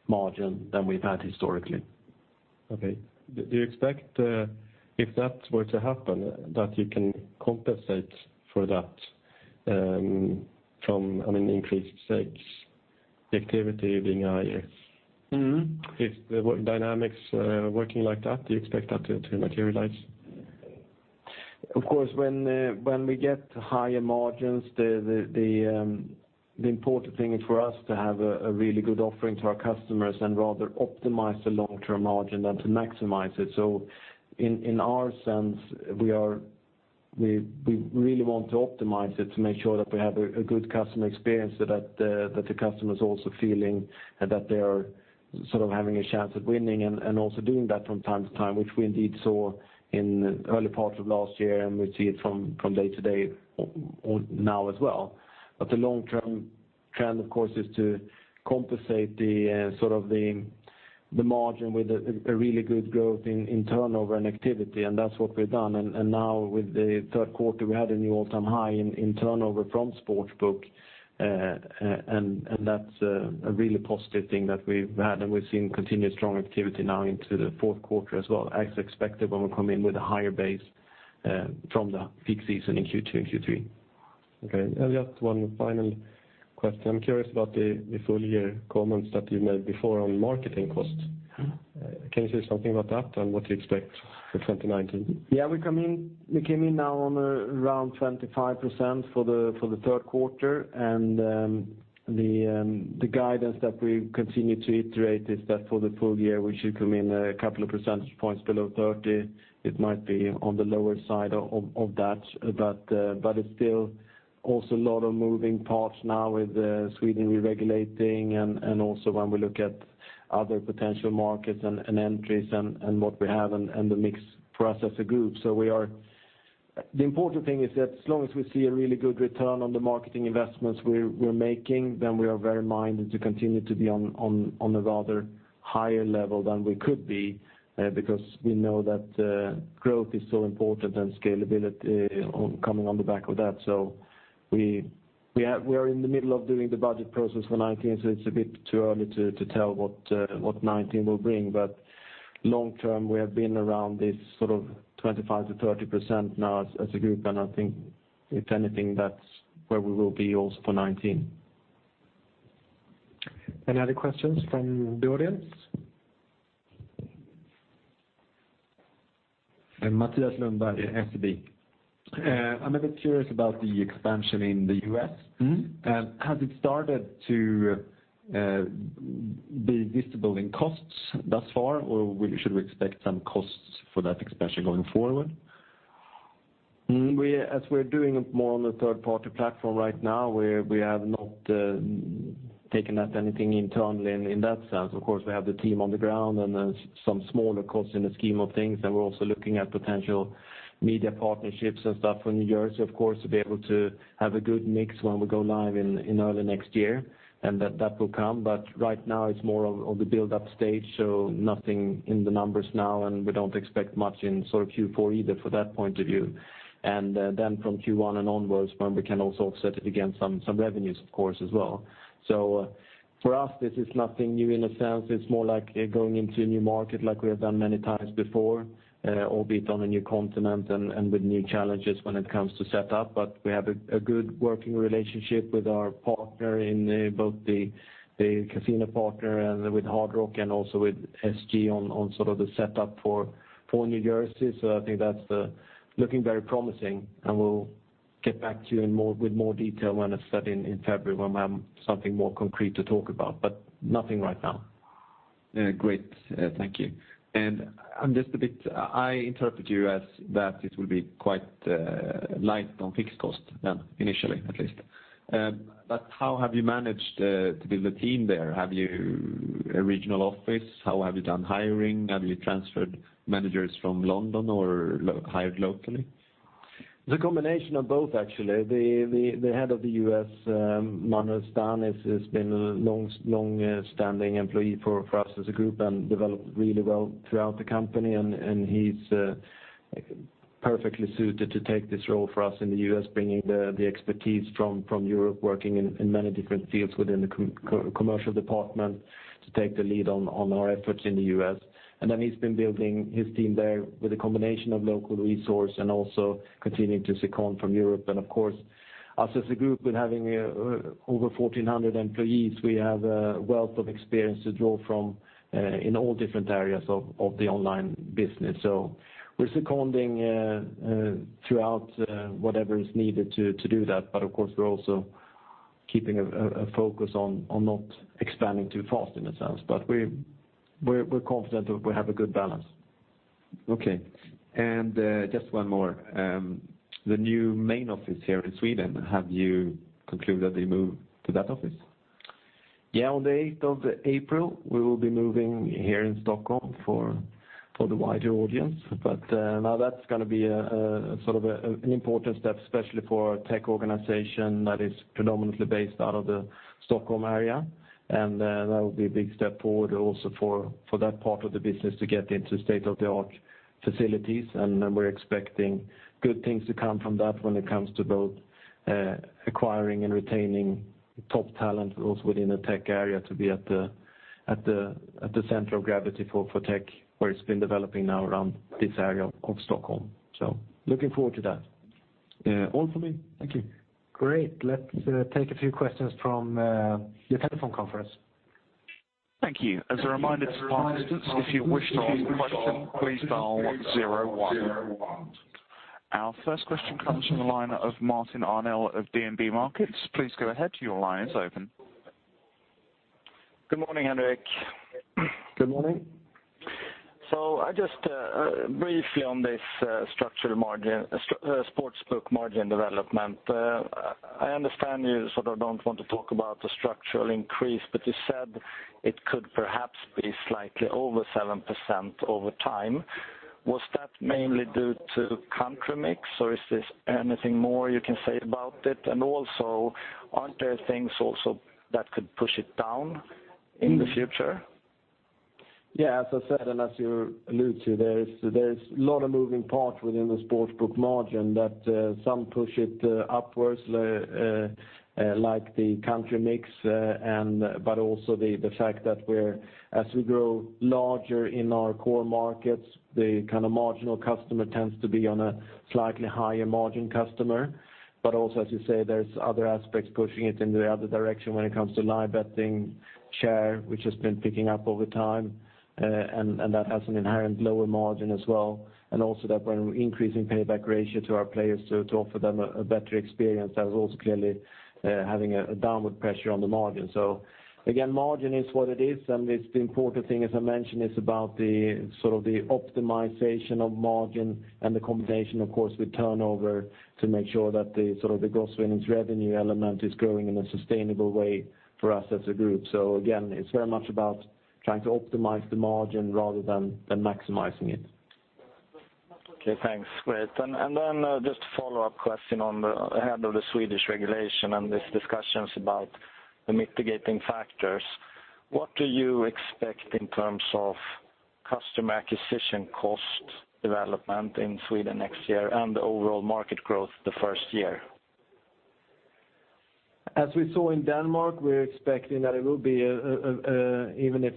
margin than we've had historically. Okay. Do you expect, if that were to happen, that you can compensate for that from increased stakes activity being higher? If the dynamics are working like that, do you expect that to materialize? When we get to higher margins, the important thing is for us to have a really good offering to our customers and rather optimize the long-term margin than to maximize it. In our sense, we really want to optimize it to make sure that we have a good customer experience, that the customer is also feeling that they are having a chance at winning and also doing that from time to time, which we indeed saw in early part of last year, and we see it from day to day now as well. The long-term trend, of course, is to compensate the margin with a really good growth in turnover and activity, and that's what we've done. Now with the third quarter, we had a new all-time high in turnover from Sportsbook, and that's a really positive thing that we've had, and we've seen continued strong activity now into the fourth quarter as well, as expected when we come in with a higher base from the peak season in Q2 and Q3. Okay. Just one final question. I'm curious about the full year comments that you made before on marketing costs. Can you say something about that and what you expect for 2019? Yeah. We came in now on around 25% for the third quarter, the guidance that we continue to iterate is that for the full year, we should come in a couple of percentage points below 30. It might be on the lower side of that, it's still also a lot of moving parts now with Sweden reregulating and also when we look at other potential markets and entries and what we have and the mix for us as a group. The important thing is that as long as we see a really good return on the marketing investments we're making, then we are very minded to continue to be on a rather higher level than we could be, because we know that growth is so important and scalability coming on the back of that. We are in the middle of doing the budget process for 2019, it's a bit too early to tell what 2019 will bring. Long term, we have been around this sort of 25%-30% now as a group, and I think if anything, that's where we will be also for 2019. Any other questions from the audience? Mathias Lundberg, SEB. I'm a bit curious about the expansion in the U.S. Has it started to be visible in costs thus far, or should we expect some costs for that expansion going forward? We're doing it more on the third-party platform right now, we have not taken up anything internally in that sense. We have the team on the ground and some smaller costs in the scheme of things, and we're also looking at potential media partnerships and stuff for New Jersey, of course, to be able to have a good mix when we go live in early next year, and that will come. Right now it's more of the build-up stage, so nothing in the numbers now, and we don't expect much in Q4 either for that point of view. From Q1 and onwards, when we can also offset it against some revenues, of course, as well. For us, this is nothing new in a sense. It's more like going into a new market like we have done many times before, albeit on a new continent and with new challenges when it comes to set up. We have a good working relationship with our partner in both the casino partner and with Hard Rock and also with SG on the setup for New Jersey. I think that's looking very promising, and we'll get back to you with more detail when I said in February when I have something more concrete to talk about, but nothing right now. Great. Thank you. I'm just I interpreted you as that it will be quite light on fixed cost then, initially, at least. How have you managed to build a team there? Have you a regional office? How have you done hiring? Have you transferred managers from London or hired locally? It's a combination of both, actually. The Head of U.S., Manuel Stan, has been a long-standing employee for us as a group and developed really well throughout the company, he's perfectly suited to take this role for us in the U.S., bringing the expertise from Europe, working in many different fields within the commercial department to take the lead on our efforts in the U.S. He's been building his team there with a combination of local resource and also continuing to second from Europe. Us as a group with having over 1,400 employees, we have a wealth of experience to draw from in all different areas of the online business. We're seconding throughout whatever is needed to do that. We're also keeping a focus on not expanding too fast in a sense. We're confident that we have a good balance. Okay. Just one more. The new main office here in Sweden, have you concluded the move to that office? Yeah. On the 8th of April, we will be moving here in Stockholm for the wider audience. Now that's going to be an important step, especially for our tech organization that is predominantly based out of the Stockholm area. That will be a big step forward also for that part of the business to get into state-of-the-art facilities. We're expecting good things to come from that when it comes to both acquiring and retaining top talent also within the tech area to be at the center of gravity for tech, where it's been developing now around this area of Stockholm. Looking forward to that. All from me. Thank you. Great. Let's take a few questions from your telephone conference. Thank you. As a reminder to participants, if you wish to ask a question, please dial 01. Our first question comes from the line of Martin Arnell of DNB Markets. Please go ahead, your line is open. Good morning, Henrik. Good morning. I, briefly on this sports book margin development, I understand you sort of don't want to talk about the structural increase, but you said it could perhaps be slightly over 7% over time. Was that mainly due to country mix, or is there anything more you can say about it? Also, aren't there things also that could push it down in the future? Yeah. As I said, and as you allude to, there is a lot of moving parts within the sports book margin that some push it upwards, like the country mix, but also the fact that as we grow larger in our core markets, the kind of marginal customer tends to be on a slightly higher margin customer. Also, as you say, there's other aspects pushing it in the other direction when it comes to live betting share, which has been picking up over time. That has an inherent lower margin as well. Also that we're increasing payback ratio to our players to offer them a better experience, that is also clearly having a downward pressure on the margin. Again, margin is what it is, and it's the important thing, as I mentioned, is about the sort of the optimization of margin and the combination, of course, with turnover to make sure that the sort of the gross winnings revenue element is growing in a sustainable way for us as a group. Again, it's very much about trying to optimize the margin rather than maximizing it. Okay, thanks. Great. Just a follow-up question on the hand of the Swedish regulation and these discussions about the mitigating factors. What do you expect in terms of customer acquisition cost development in Sweden next year and the overall market growth the first year? As we saw in Denmark, we're expecting that it will be, even if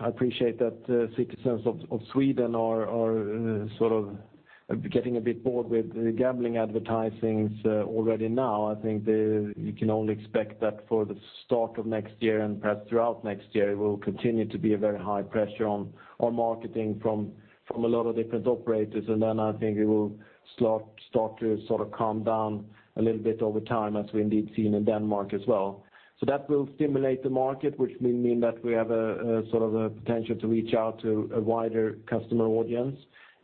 I appreciate that citizens of Sweden are sort of getting a bit bored with gambling advertisings already now, I think you can only expect that for the start of next year and perhaps throughout next year, it will continue to be a very high pressure on marketing from a lot of different operators. I think it will start to sort of calm down a little bit over time, as we indeed seen in Denmark as well. That will stimulate the market, which will mean that we have a sort of a potential to reach out to a wider customer audience.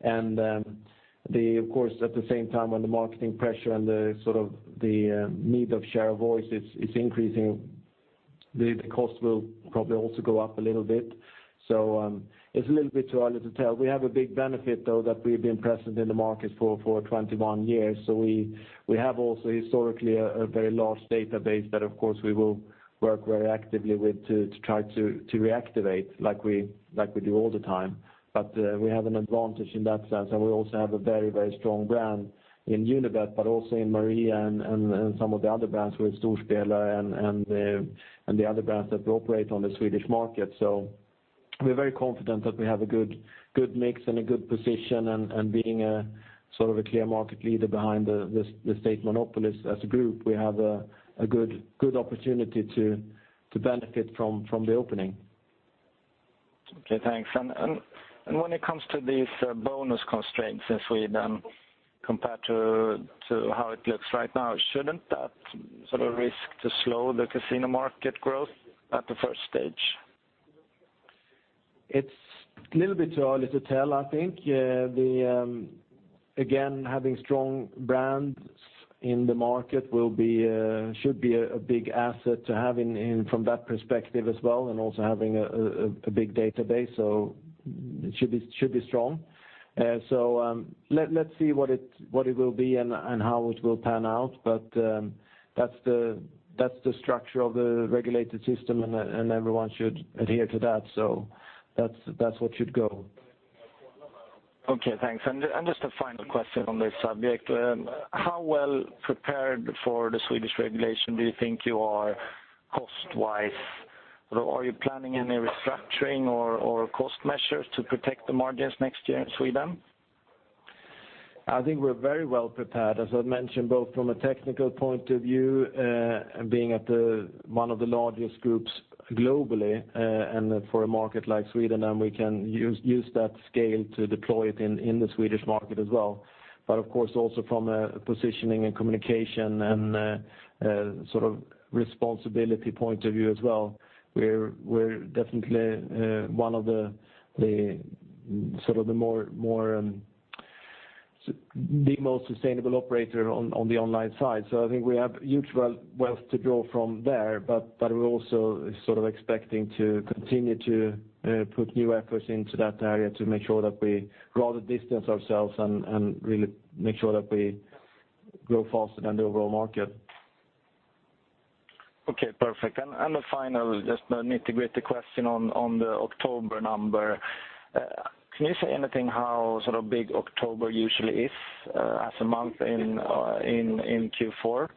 Of course, at the same time when the marketing pressure and the sort of the need of share of voice is increasing, the cost will probably also go up a little bit. It is a little bit too early to tell. We have a big benefit, though, that we have been present in the market for 21 years. We have also historically a very large database that, of course, we will work very actively with to try to reactivate, like we do all the time. We have an advantage in that sense, and we also have a very strong brand in Unibet, but also in Maria and some of the other brands with Storspelare and the other brands that we operate on the Swedish market. We are very confident that we have a good mix and a good position and being a sort of a clear market leader behind the state monopolist as a group. We have a good opportunity to benefit from the opening. Okay, thanks. When it comes to these bonus constraints in Sweden compared to how it looks right now, shouldn't that sort of risk to slow the casino market growth at the first stage? It is a little bit too early to tell. I think, again, having strong brands in the market should be a big asset to have from that perspective as well, and also having a big database. It should be strong. Let us see what it will be and how it will pan out. That is the structure of the regulated system, and everyone should adhere to that. That is what should go. Okay, thanks. Just a final question on this subject. How well-prepared for the Swedish regulation do you think you are cost-wise? Are you planning any restructuring or cost measures to protect the margins next year in Sweden? I think we're very well-prepared, as I mentioned, both from a technical point of view, being at one of the largest groups globally, and for a market like Sweden, and we can use that scale to deploy it in the Swedish market as well. Of course, also from a positioning and communication and sort of responsibility point of view as well, we're definitely one of the more sustainable operator on the online side. I think we have huge wealth to draw from there, but we're also sort of expecting to continue to put new efforts into that area to make sure that we rather distance ourselves and really make sure that we grow faster than the overall market. Okay, perfect. The final, just a nitty-gritty question on the October number. Can you say anything how sort of big October usually is as a month in Q4?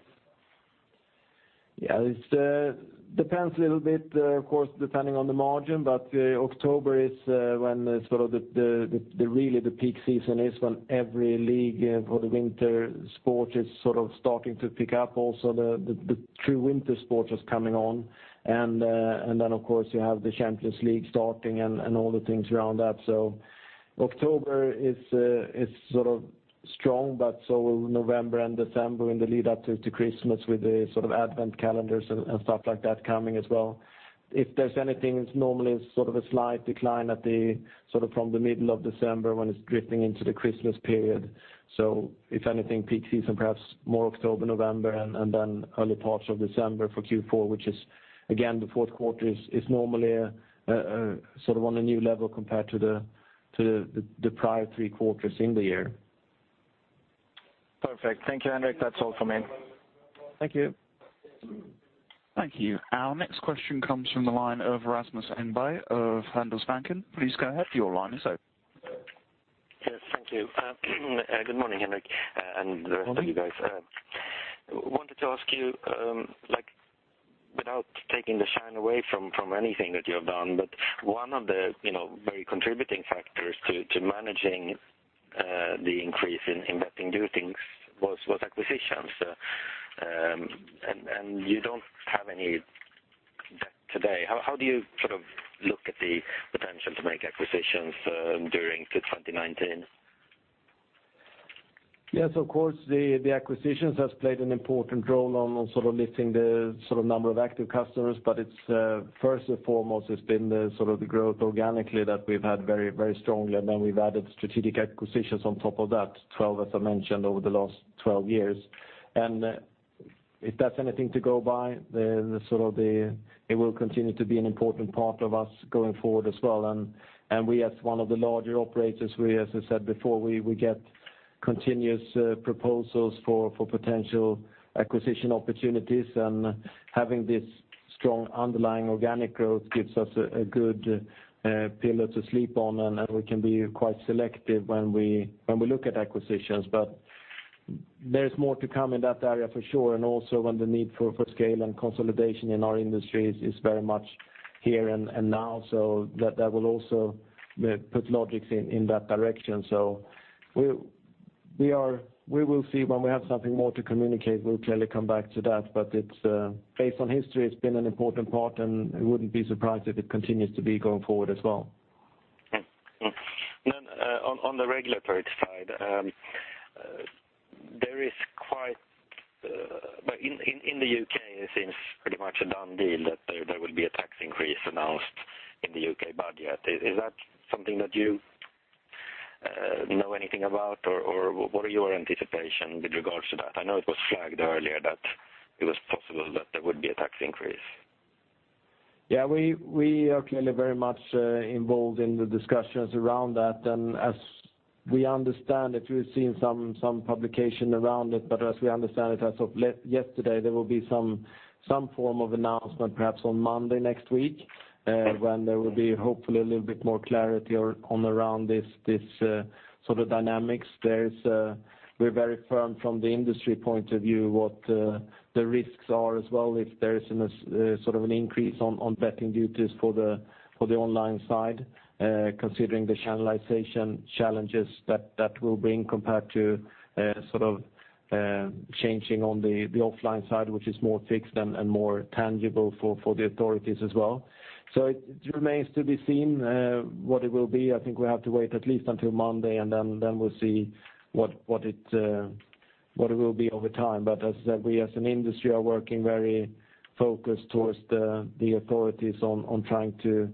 Yeah. It depends a little bit, of course, depending on the margin, but October is when sort of really the peak season is when every league for the winter sport is sort of starting to pick up also. The true winter sport is coming on. Then, of course, you have the Champions League starting and all the things around that. October is sort of strong, but so will November and December in the lead up to Christmas with the sort of advent calendars and stuff like that coming as well. If there's anything, it's normally a slight decline from the middle of December when it's drifting into the Christmas period. If anything, peak season perhaps more October, November, and then early parts of December for Q4, which is, again, the fourth quarter is normally on a new level compared to the prior three quarters in the year. Perfect. Thank you, Henrik. That's all from me. Thank you. Thank you. Our next question comes from the line of Rasmus Engberg of Handelsbanken. Please go ahead. Your line is open. Yes, thank you. Good morning, Henrik, and the rest of you guys. Morning. Wanted to ask you, without taking the shine away from anything that you have done, but one of the very contributing factors to managing the increase in betting duties was acquisitions. You don't have any today. How do you look at the potential to make acquisitions during 2019? Yes, of course, the acquisitions have played an important role on lifting the number of active customers, but first and foremost, it's been the growth organically that we've had very strongly, and then we've added strategic acquisitions on top of that, 12, as I mentioned, over the last 12 years. If that's anything to go by, it will continue to be an important part of us going forward as well. We as one of the larger operators, as I said before, we get continuous proposals for potential acquisition opportunities, and having this strong underlying organic growth gives us a good pillar to sleep on, and we can be quite selective when we look at acquisitions. There is more to come in that area for sure, and also when the need for scale and consolidation in our industry is very much here and now. That will also put logic in that direction. We will see when we have something more to communicate, we'll clearly come back to that. Based on history, it's been an important part, and I wouldn't be surprised if it continues to be going forward as well. On the regulatory side, in the U.K., it seems pretty much a done deal that there will be a tax increase announced in the U.K. budget. Is that something that you know anything about, or what are your anticipation with regards to that? I know it was flagged earlier that it was possible that there would be a tax increase. We are clearly very much involved in the discussions around that. As we understand it, we've seen some publication around it, but as we understand it, as of yesterday, there will be some form of announcement, perhaps on Monday next week, when there will be hopefully a little bit more clarity around this sort of dynamics. We're very firm from the industry point of view what the risks are as well, if there is an increase on betting duties for the online side, considering the channelization challenges that that will bring compared to changing on the offline side, which is more fixed and more tangible for the authorities as well. It remains to be seen what it will be. I think we have to wait at least until Monday, and then we'll see what it will be over time. As I said, we as an industry are working very focused towards the authorities on trying to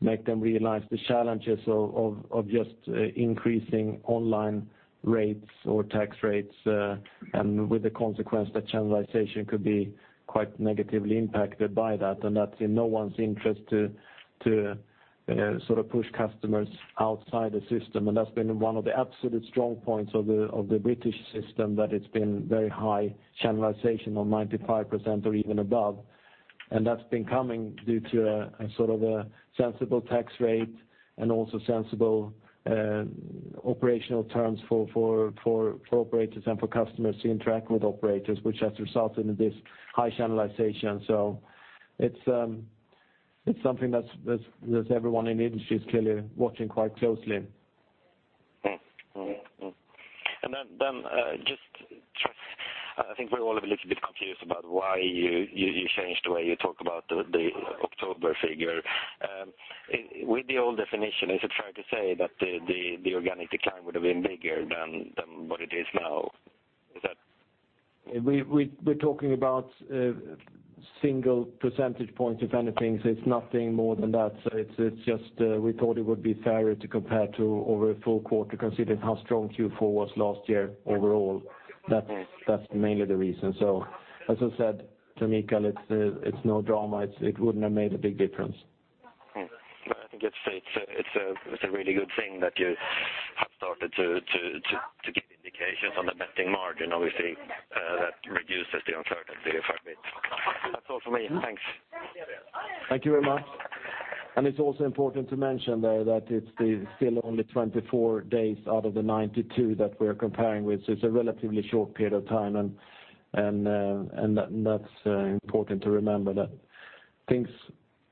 make them realize the challenges of just increasing online rates or tax rates, with the consequence that channelization could be quite negatively impacted by that. That's in no one's interest to push customers outside the system. That's been one of the absolute strong points of the British system, that it's been very high channelization of 95% or even above. That's been coming due to a sensible tax rate and also sensible operational terms for operators and for customers to interact with operators, which has resulted in this high channelization. It's something that everyone in the industry is clearly watching quite closely. I think we're all a little bit confused about why you changed the way you talk about the October figure. With the old definition, is it fair to say that the organic decline would have been bigger than what it is now? Is that? We're talking about single percentage points, if anything, it's nothing more than that. It's just we thought it would be fairer to compare to over a full quarter, considering how strong Q4 was last year overall. That's mainly the reason. As I said to Mikael, it's no drama. It wouldn't have made a big difference. I think it's a really good thing that you have started to give indications on the betting margin. Obviously, that reduces the uncertainty quite a bit. That's all from me. Thanks. Thank you very much. It's also important to mention there that it's still only 24 days out of the 92 that we're comparing with. It's a relatively short period of time. That's important to remember that things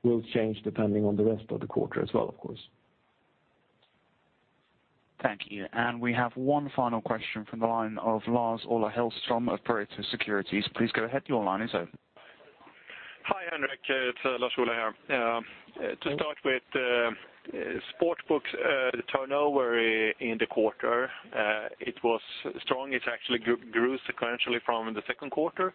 will change depending on the rest of the quarter as well, of course. Thank you. We have one final question from the line of Lars-Ola Hellström of Pareto Securities. Please go ahead. Your line is open. Hey, Henrik. It's Lars-Ola here. To start with Sportsbook's turnover in the quarter it was strong. It actually grew sequentially from the second quarter.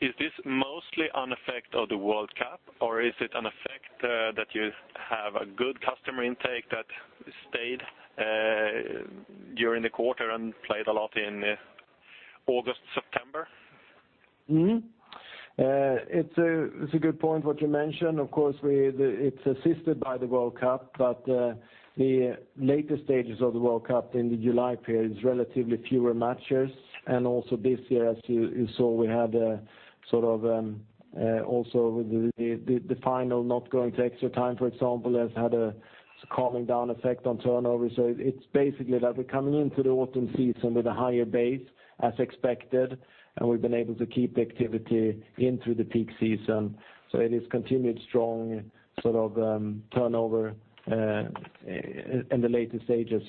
Is this mostly an effect of the World Cup, or is it an effect that you have a good customer intake that stayed during the quarter and played a lot in August, September? It's a good point what you mentioned. Of course, it's assisted by the World Cup, but the later stages of the World Cup in the July period is relatively fewer matches, and also this year, as you saw, we had the final not going to extra time, for example, has had a calming down effect on turnover. It's basically that we're coming into the autumn season with a higher base as expected, and we've been able to keep activity into the peak season, so it is continued strong turnover in the later stages.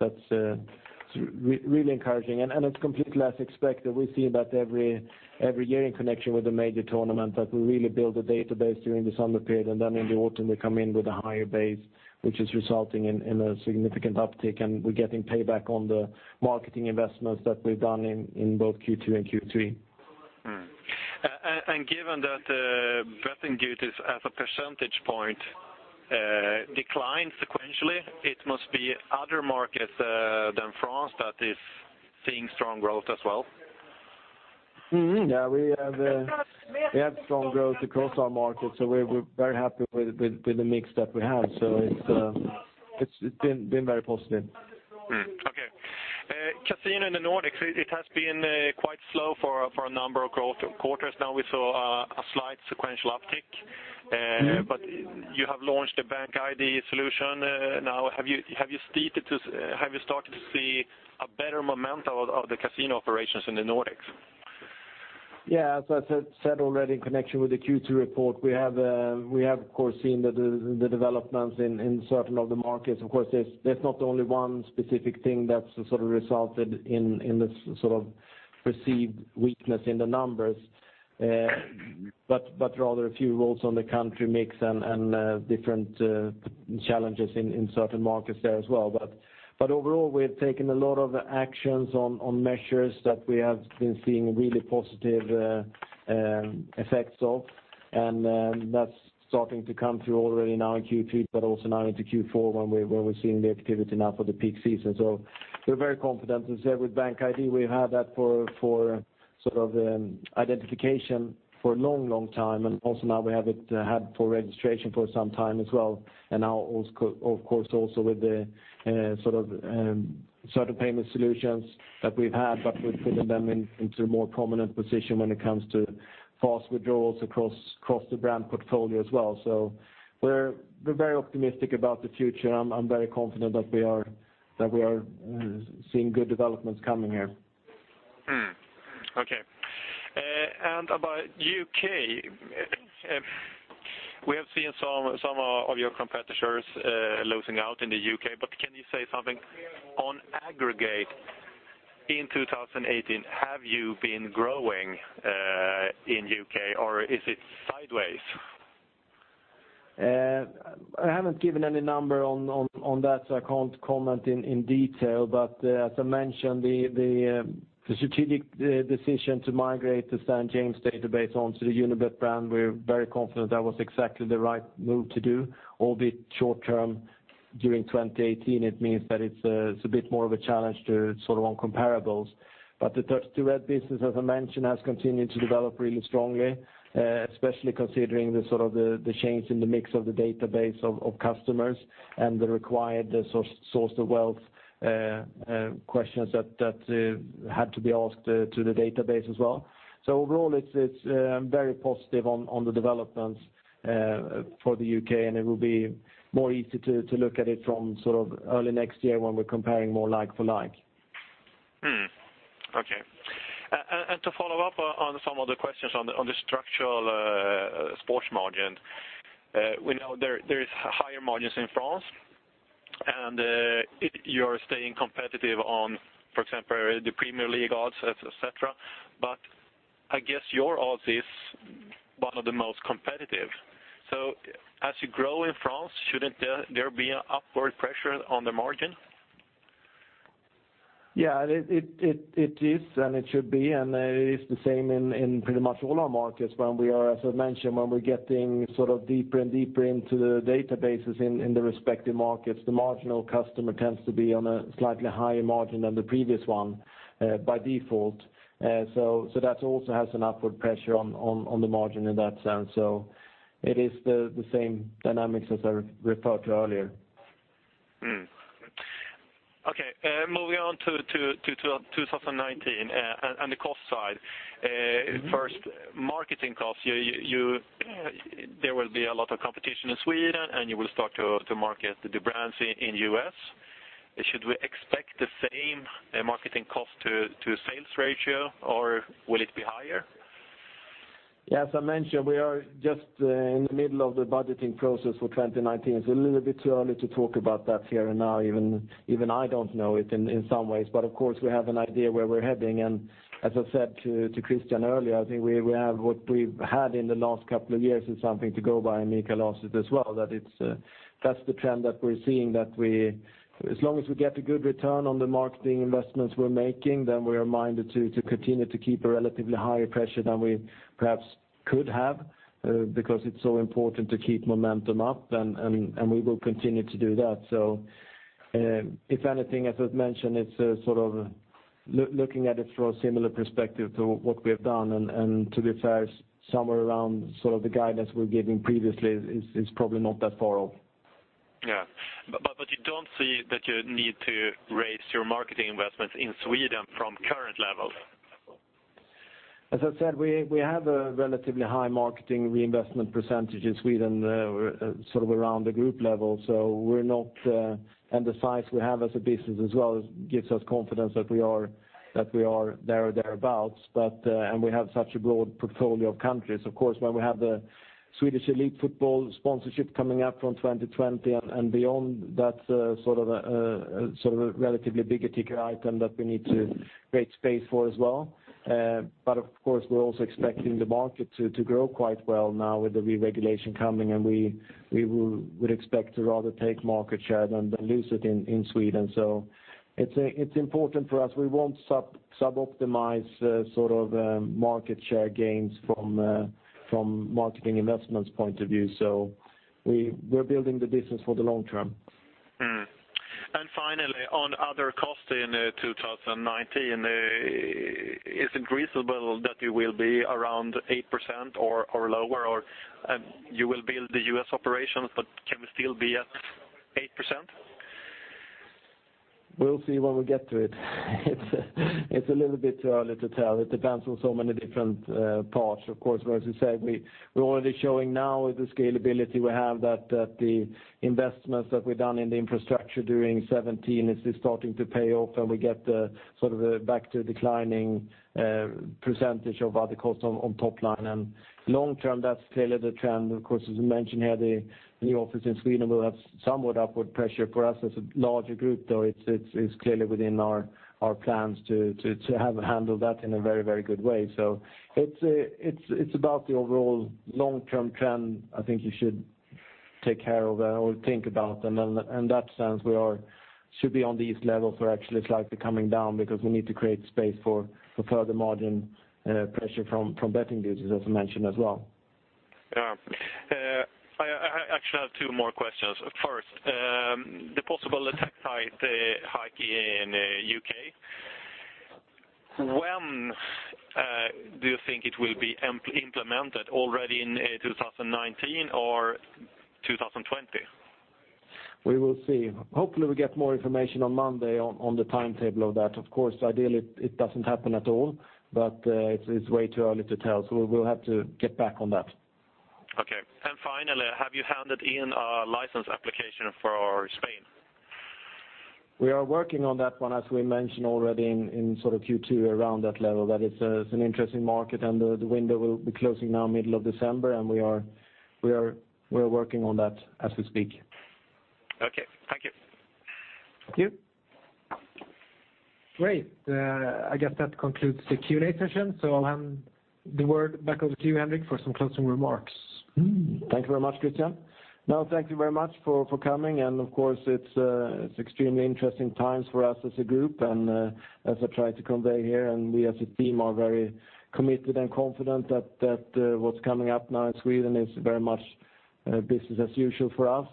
That's really encouraging, and it's completely as expected. We see that every year in connection with a major tournament that we really build a database during the summer period, and then in the autumn we come in with a higher base, which is resulting in a significant uptick, and we're getting payback on the marketing investments that we've done in both Q2 and Q3. Given that betting duties as a percentage point declined sequentially, it must be other markets than France that is seeing strong growth as well. We have strong growth across our markets, so we're very happy with the mix that we have. It's been very positive. Okay. Casino in the Nordics, it has been quite slow for a number of quarters now. We saw a slight sequential uptick. You have launched a BankID solution now. Have you started to see a better momentum of the casino operations in the Nordics? Yeah. As I said already, in connection with the Q2 report, we have of course seen the developments in certain of the markets. Of course, there's not only one specific thing that's resulted in this perceived weakness in the numbers, but rather a few roles on the country mix and different challenges in certain markets there as well. Overall, we have taken a lot of actions on measures that we have been seeing really positive effects of, and that's starting to come through already now in Q3, but also now into Q4 when we're seeing the activity now for the peak season. We're very confident. As I said, with BankID, we have had that for identification for a long, long time, and also now we have had it for registration for some time as well, and now of course also with the certain payment solutions that we've had, but we've put them into a more prominent position when it comes to fast withdrawals across the brand portfolio as well. We're very optimistic about the future. I'm very confident that we are seeing good developments coming here. About U.K., we have seen some of your competitors losing out in the U.K., can you say something on aggregate in 2018, have you been growing in U.K. or is it sideways? I haven't given any number on that, so I can't comment in detail. As I mentioned, the strategic decision to migrate the Stan James database onto the Unibet brand, we're very confident that was exactly the right move to do, albeit short term during 2018, it means that it's a bit more of a challenge to on comparables. The 32Red business, as I mentioned, has continued to develop really strongly, especially considering the change in the mix of the database of customers and the required source of wealth questions that had to be asked to the database as well. Overall, it's very positive on the developments for the U.K., and it will be more easy to look at it from early next year when we're comparing more like for like. Okay. To follow up on some of the questions on the structural sports margin. We know there is higher margins in France, and you're staying competitive on, for example, the Premier League odds, et cetera. I guess your odds is one of the most competitive. As you grow in France, shouldn't there be an upward pressure on the margin? Yeah, it is, and it should be, and it is the same in pretty much all our markets when we are, as I mentioned, when we're getting deeper and deeper into the databases in the respective markets, the marginal customer tends to be on a slightly higher margin than the previous one by default. That also has an upward pressure on the margin in that sense. It is the same dynamics as I referred to earlier. Okay. Moving on to 2019, on the cost side. First, marketing costs. There will be a lot of competition in Sweden, and you will start to market the brands in U.S. Should we expect a marketing cost to sales ratio, or will it be higher? Yes, as I mentioned, we are just in the middle of the budgeting process for 2019. It's a little bit too early to talk about that here and now. Even I don't know it in some ways, but of course we have an idea where we're heading, and as I said to Christian earlier, I think what we've had in the last couple of years is something to go by, and Mikael knows it as well. That's the trend that we're seeing. As long as we get a good return on the marketing investments we're making, then we are minded to continue to keep a relatively higher pressure than we perhaps could have, because it's so important to keep momentum up, and we will continue to do that. If anything, as was mentioned, it's looking at it from a similar perspective to what we have done and to be fair, somewhere around the guidance we're giving previously is probably not that far off. You don't see that you need to raise your marketing investments in Sweden from current levels? As I said, we have a relatively high marketing reinvestment percentage in Sweden, around the group level. The size we have as a business as well gives us confidence that we are there or thereabouts. We have such a broad portfolio of countries. Of course, when we have the Swedish Elite Football sponsorship coming up from 2020 and beyond, that's sort of a relatively bigger-ticket item that we need to create space for as well. Of course, we're also expecting the market to grow quite well now with the re-regulation coming, and we would expect to rather take market share than lose it in Sweden. It's important for us. We won't sub-optimize market share gains from marketing investments point of view. We're building the business for the long term. Finally, on other costs in 2019, is it reasonable that you will be around 8% or lower? You will build the U.S. operations, but can we still be at 8%? We'll see when we get to it. It's a little bit early to tell. It depends on so many different parts. Of course, as you said, we're already showing now the scalability we have, that the investments that we've done in the infrastructure during 2017 is just starting to pay off, and we get back to declining percentage of other costs on top line. Long term, that's clearly the trend. Of course, as you mentioned here, the new office in Sweden will have somewhat upward pressure. For us as a larger group, though, it's clearly within our plans to handle that in a very good way. It's about the overall long-term trend I think you should take care of and think about. In that sense, we should be on these levels. We're actually slightly coming down because we need to create space for further margin pressure from betting duties, as I mentioned as well. Yeah. I actually have two more questions. First, the possible tax hike in U.K. When do you think it will be implemented? Already in 2019 or 2020? We will see. Hopefully, we get more information on Monday on the timetable of that. Of course, ideally, it doesn't happen at all, but it's way too early to tell, so we'll have to get back on that. Okay. Finally, have you handed in a license application for Spain? We are working on that one, as we mentioned already in Q2 around that level, that it's an interesting market and the window will be closing now middle of December, and we are working on that as we speak. Okay. Thank you. Thank you. Great. I guess that concludes the Q&A session. I'll hand the word back over to you, Henrik, for some closing remarks. Thank you very much, Christian. No, thank you very much for coming, Of course it's extremely interesting times for us as a group, As I try to convey here, We as a team are very committed and confident that what's coming up now in Sweden is very much business as usual for us.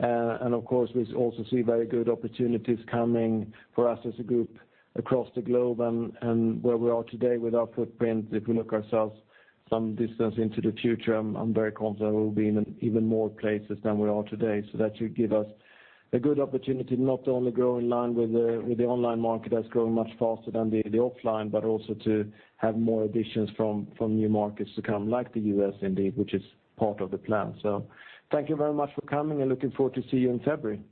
Of course, we also see very good opportunities coming for us as a group across the globe and where we are today with our footprint. If we look ourselves some distance into the future, I'm very confident we'll be in even more places than we are today. That should give us a good opportunity to not only grow in line with the online market that's growing much faster than the offline, but also to have more additions from new markets to come, like the U.S. indeed, which is part of the plan. Thank you very much for coming, Looking forward to see you in February.